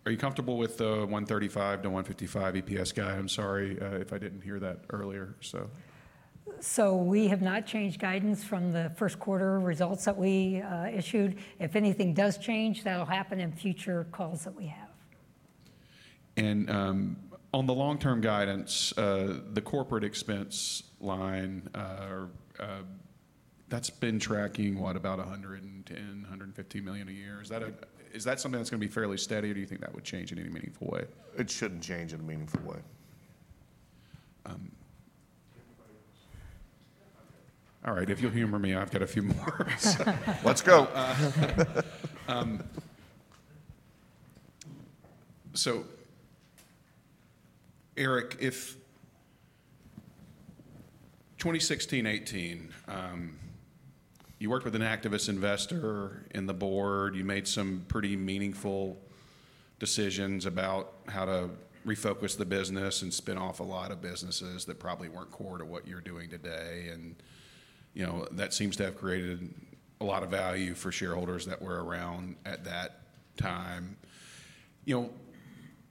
Speaker 8: Are you comfortable with the $1.35-$1.55 EPS guide? I'm sorry, if I didn't hear that earlier, so.
Speaker 2: So we have not changed guidance from the first quarter results that we issued. If anything does change, that'll happen in future calls that we have.
Speaker 8: And on the long-term guidance, the corporate expense line, or that's been tracking, what, about $110 million-$150 million a year.
Speaker 2: Yeah.
Speaker 8: Is that something that's going to be fairly steady, or do you think that would change in any meaningful way?
Speaker 7: It shouldn't change in a meaningful way.
Speaker 8: Um-
Speaker 1: Anybody else? Okay.
Speaker 8: All right, if you'll humor me, I've got a few more.
Speaker 7: Let's go.
Speaker 8: So Eric, in 2016, 2018, you worked with an activist investor on the board, you made some pretty meaningful decisions about how to refocus the business and spin off a lot of businesses that probably weren't core to what you're doing today, and, you know, that seems to have created a lot of value for shareholders that were around at that time. You know,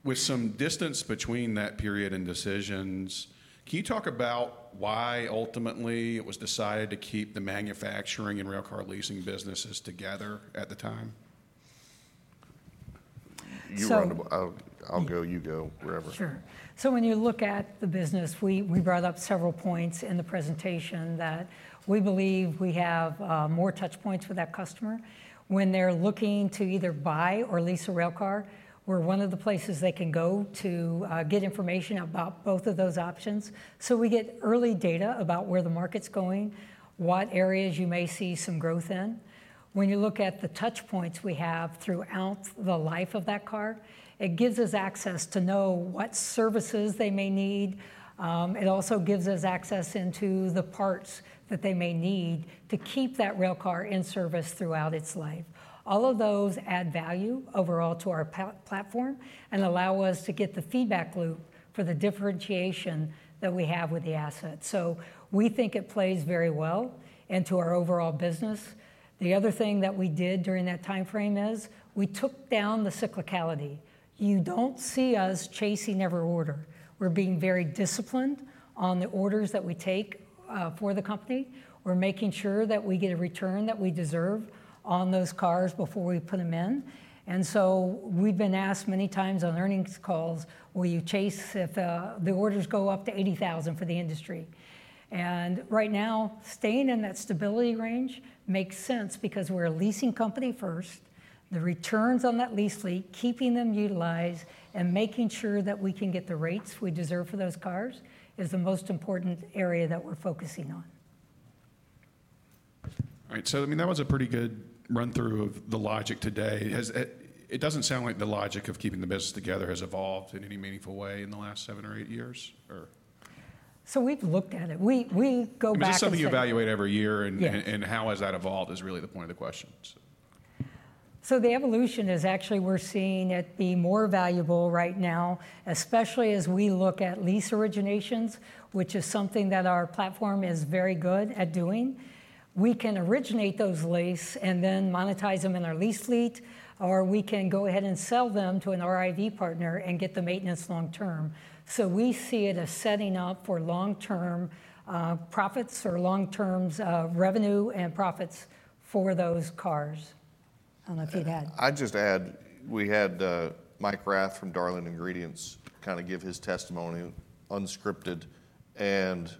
Speaker 8: with some distance between that period and decisions, can you talk about why ultimately it was decided to keep the manufacturing and railcar leasing businesses together at the time?
Speaker 2: So-
Speaker 7: You run, I'll go, you go, wherever.
Speaker 2: Sure. So when you look at the business, we brought up several points in the presentation that we believe we have more touch points with that customer. When they're looking to either buy or lease a railcar, we're one of the places they can go to get information about both of those options. So we get early data about where the market's going, what areas you may see some growth in. When you look at the touch points we have throughout the life of that car, it gives us access to know what services they may need. It also gives us access into the parts that they may need to keep that railcar in service throughout its life. All of those add value overall to our platform and allow us to get the feedback loop for the differentiation that we have with the asset. So we think it plays very well into our overall business. The other thing that we did during that time frame is, we took down the cyclicality. You don't see us chasing every order. We're being very disciplined on the orders that we take, for the company. We're making sure that we get a return that we deserve on those cars before we put them in. And so we've been asked many times on earnings calls, "Will you chase if the orders go up to 80,000 for the industry?" And right now, staying in that stability range makes sense because we're a leasing company first. The returns on that lease fleet, keeping them utilized, and making sure that we can get the rates we deserve for those cars, is the most important area that we're focusing on.
Speaker 8: All right, so I mean, that was a pretty good run-through of the logic today. Has. It doesn't sound like the logic of keeping the business together has evolved in any meaningful way in the last seven or eight years, or?
Speaker 2: So we've looked at it. We, we go back and-
Speaker 8: It's just something you evaluate every year, and-
Speaker 2: Yeah
Speaker 8: And how has that evolved, is really the point of the question, so.
Speaker 2: So the evolution is actually we're seeing it be more valuable right now, especially as we look at lease originations, which is something that our platform is very good at doing. We can originate those lease and then monetize them in our lease fleet, or we can go ahead and sell them to an RIV partner and get the maintenance long term. So we see it as setting up for long-term, profits or long-terms, revenue and profits for those cars. I don't know if you'd add.
Speaker 7: I'd just add, we had, Mike Rath from Darling Ingredients kind of give his testimony unscripted, and,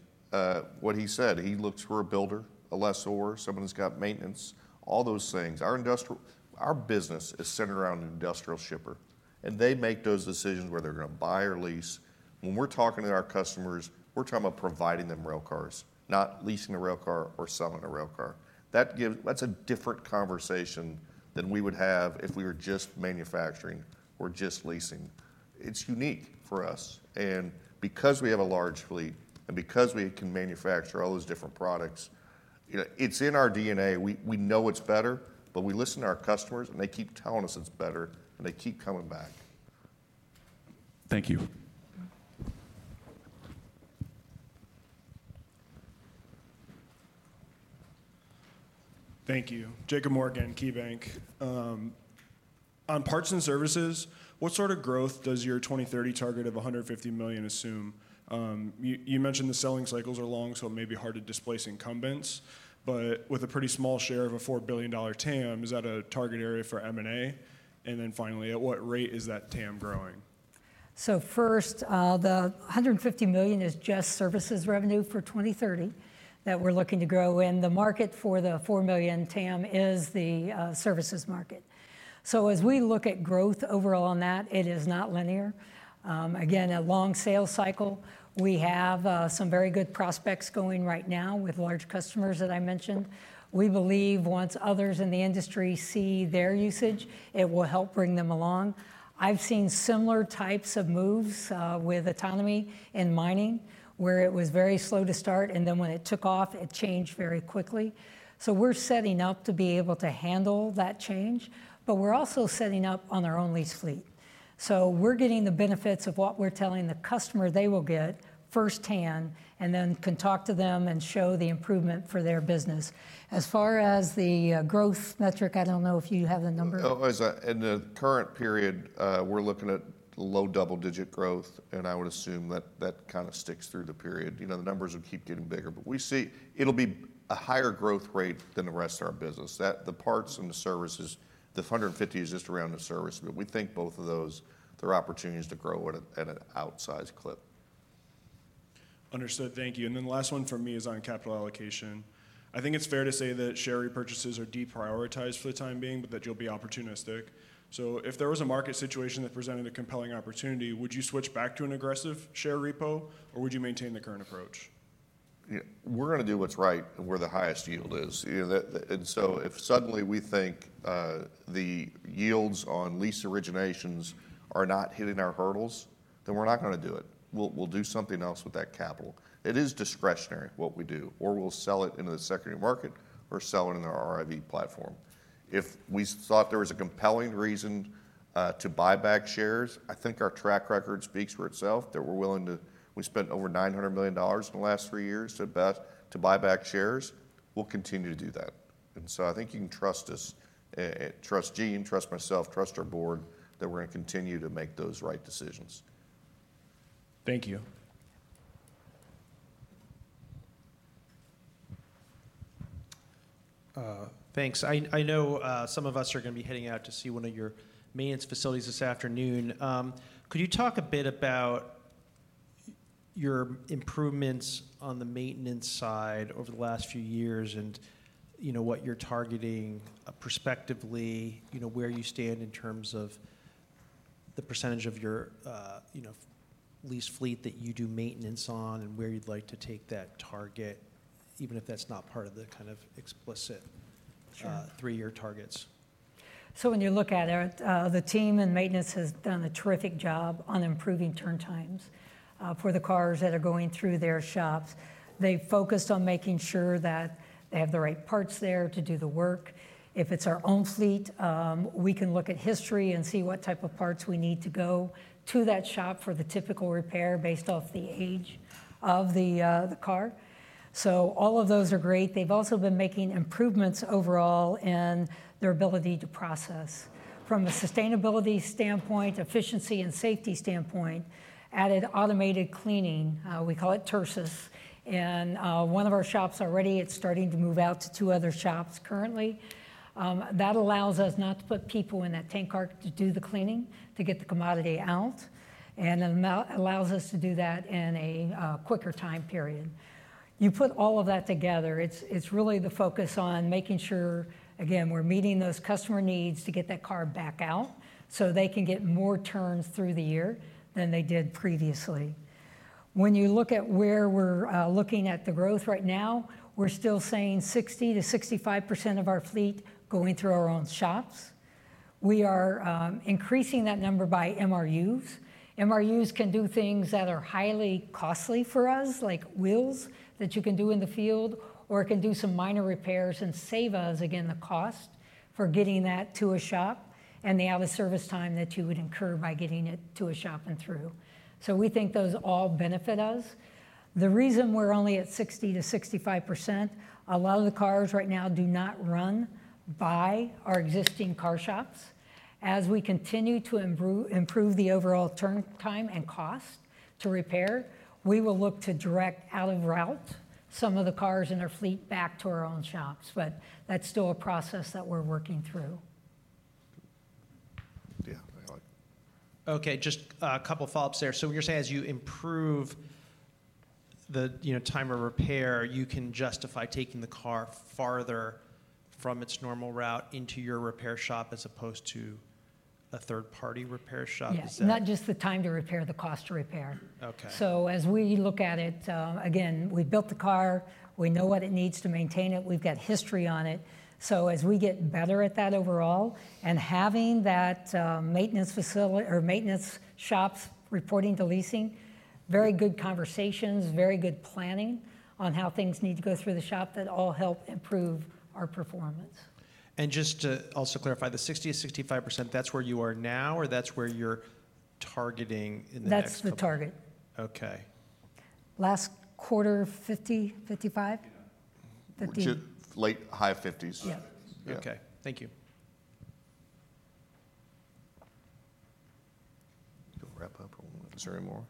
Speaker 7: what he said, he looks for a builder, a lessor, someone who's got maintenance, all those things. Our business is centered around an industrial shipper, and they make those decisions where they're gonna buy or lease. When we're talking to our customers, we're talking about providing them railcars, not leasing a railcar or selling a railcar. That's a different conversation than we would have if we were just manufacturing or just leasing. It's unique for us, and because we have a large fleet and because we can manufacture all those different products, you know, it's in our DNA. We know it's better, but we listen to our customers, and they keep telling us it's better, and they keep coming back.
Speaker 8: Thank you.
Speaker 10: Thank you. Jacob Moore, KeyBanc. On parts and services, what sort of growth does your 2030 target of $150 million assume? You, you mentioned the selling cycles are long, so it may be hard to displace incumbents, but with a pretty small share of a $4 billion TAM, is that a target area for M&A? And then finally, at what rate is that TAM growing?
Speaker 2: So first, the $150 million is just services revenue for 2030, that we're looking to grow, and the market for the $4 million TAM is the services market. So as we look at growth overall on that, it is not linear. Again, a long sales cycle. We have some very good prospects going right now with large customers that I mentioned. We believe once others in the industry see their usage, it will help bring them along. I've seen similar types of moves, with autonomy in mining, where it was very slow to start, and then when it took off, it changed very quickly. So we're setting up to be able to handle that change, but we're also setting up on our own lease fleet. So we're getting the benefits of what we're telling the customer they will get firsthand, and then can talk to them and show the improvement for their business. As far as the, growth metric, I don't know if you have the number.
Speaker 7: Oh, as in the current period, we're looking at low double-digit growth, and I would assume that that kind of sticks through the period. You know, the numbers will keep getting bigger, but we see it'll be a higher growth rate than the rest of our business, that the parts and the services, the 150 is just around the service, but we think both of those, there are opportunities to grow at a, at an outsized clip.
Speaker 10: Understood. Thank you. And then the last one for me is on capital allocation. I think it's fair to say that share repurchases are deprioritized for the time being, but that you'll be opportunistic. So if there was a market situation that presented a compelling opportunity, would you switch back to an aggressive share repo, or would you maintain the current approach?
Speaker 7: Yeah, we're gonna do what's right where the highest yield is. You know, and so if suddenly we think the yields on lease originations are not hitting our hurdles, then we're not gonna do it. We'll do something else with that capital. It is discretionary, what we do, or we'll sell it into the secondary market or sell it in our RIV platform. If we thought there was a compelling reason to buy back shares, I think our track record speaks for itself, that we're willing to. We spent over $900 million in the last three years to buy back shares. We'll continue to do that, and so I think you can trust us, and trust Jean, trust myself, trust our board, that we're gonna continue to make those right decisions.
Speaker 10: Thank you.
Speaker 11: Thanks. I know some of us are gonna be heading out to see one of your maintenance facilities this afternoon. Could you talk a bit about your improvements on the maintenance side over the last few years and, you know, what you're targeting prospectively, you know, where you stand in terms of the percentage of your lease fleet that you do maintenance on, and where you'd like to take that target, even if that's not part of the kind of explicit-
Speaker 2: Sure
Speaker 11: Three-year targets?
Speaker 2: So when you look at it, the team and maintenance has done a terrific job on improving turn times for the cars that are going through their shops. They've focused on making sure that they have the right parts there to do the work. If it's our own fleet, we can look at history and see what type of parts we need to go to that shop for the typical repair based off the age of the car. So all of those are great. They've also been making improvements overall in their ability to process. From a sustainability standpoint, efficiency and safety standpoint, added automated cleaning, we call it TERSUS, in one of our shops already. It's starting to move out to two other shops currently. That allows us not to put people in that tank car to do the cleaning, to get the commodity out, and allows us to do that in a quicker time period. You put all of that together, it's really the focus on making sure, again, we're meeting those customer needs to get that car back out, so they can get more turns through the year than they did previously. When you look at where we're looking at the growth right now, we're still saying 60%-65% of our fleet going through our own shops. We are increasing that number by MRUs. MRUs can do things that are highly costly for us, like wheels, that you can do in the field, or it can do some minor repairs and save us, again, the cost for getting that to a shop and the out-of-service time that you would incur by getting it to a shop and through. So we think those all benefit us. The reason we're only at 60%-65%, a lot of the cars right now do not run by our existing car shops. As we continue to improve the overall turn time and cost to repair, we will look to direct out of route some of the cars in our fleet back to our own shops, but that's still a process that we're working through.
Speaker 7: Yeah, go ahead.
Speaker 11: Okay, just a couple follow-ups there. So when you're saying as you improve the, you know, time of repair, you can justify taking the car farther from its normal route into your repair shop as opposed to a third-party repair shop.
Speaker 2: Yeah
Speaker 11: Is that?
Speaker 2: Not just the time to repair, the cost to repair.
Speaker 11: Okay.
Speaker 2: So as we look at it, again, we built the car, we know what it needs to maintain it, we've got history on it. So as we get better at that overall, and having that maintenance facility or maintenance shops reporting to leasing, very good conversations, very good planning on how things need to go through the shop, that all help improve our performance.
Speaker 11: Just to also clarify, the 60%-65%, that's where you are now, or that's where you're targeting in the next-
Speaker 2: That's the target.
Speaker 11: Okay.
Speaker 2: Last quarter, 50, 55?
Speaker 7: Yeah.
Speaker 2: 50
Speaker 7: Just late high 50s.
Speaker 2: Yeah.
Speaker 7: Yeah.
Speaker 11: Okay. Thank you.
Speaker 7: Go wrap up, or is there any more?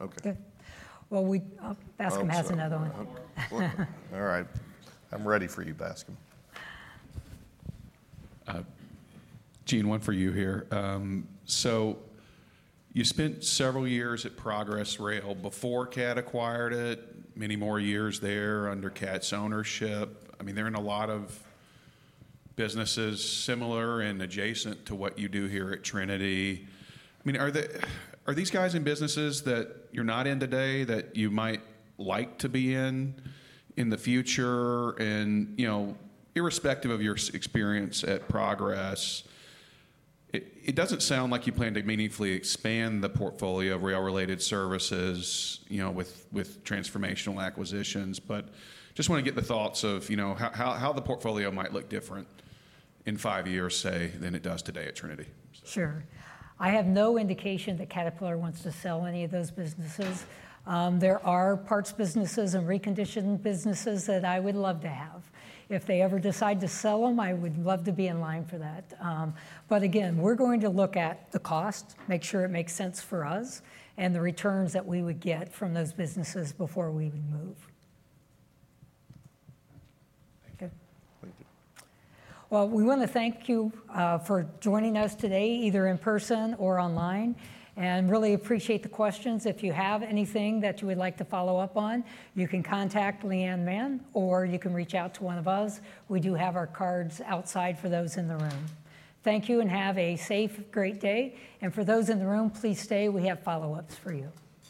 Speaker 7: Okay.
Speaker 2: It's good. Well, Bascome has another one.
Speaker 7: All right, I'm ready for you, Bascome.
Speaker 8: Jean, one for you here. So you spent several years at Progress Rail before CAT acquired it, many more years there under CAT's ownership. I mean, they're in a lot of businesses, similar and adjacent to what you do here at Trinity. I mean, are the, are these guys in businesses that you're not in today, that you might like to be in in the future? And, you know, irrespective of your experience at Progress, it, it doesn't sound like you plan to meaningfully expand the portfolio of rail-related services, you know, with, with transformational acquisitions. But just wanna get the thoughts of, you know, how, how, how the portfolio might look different in five years, say, than it does today at Trinity?
Speaker 2: Sure. I have no indication that Caterpillar wants to sell any of those businesses. There are parts businesses and reconditioned businesses that I would love to have. If they ever decide to sell them, I would love to be in line for that. But again, we're going to look at the cost, make sure it makes sense for us, and the returns that we would get from those businesses before we would move.
Speaker 8: Thank you.
Speaker 7: Thank you.
Speaker 2: Well, we wanna thank you for joining us today, either in person or online, and really appreciate the questions. If you have anything that you would like to follow up on, you can contact Leigh Anne Mann, or you can reach out to one of us. We do have our cards outside for those in the room. Thank you and have a safe, great day. For those in the room, please stay, we have follow-ups for you.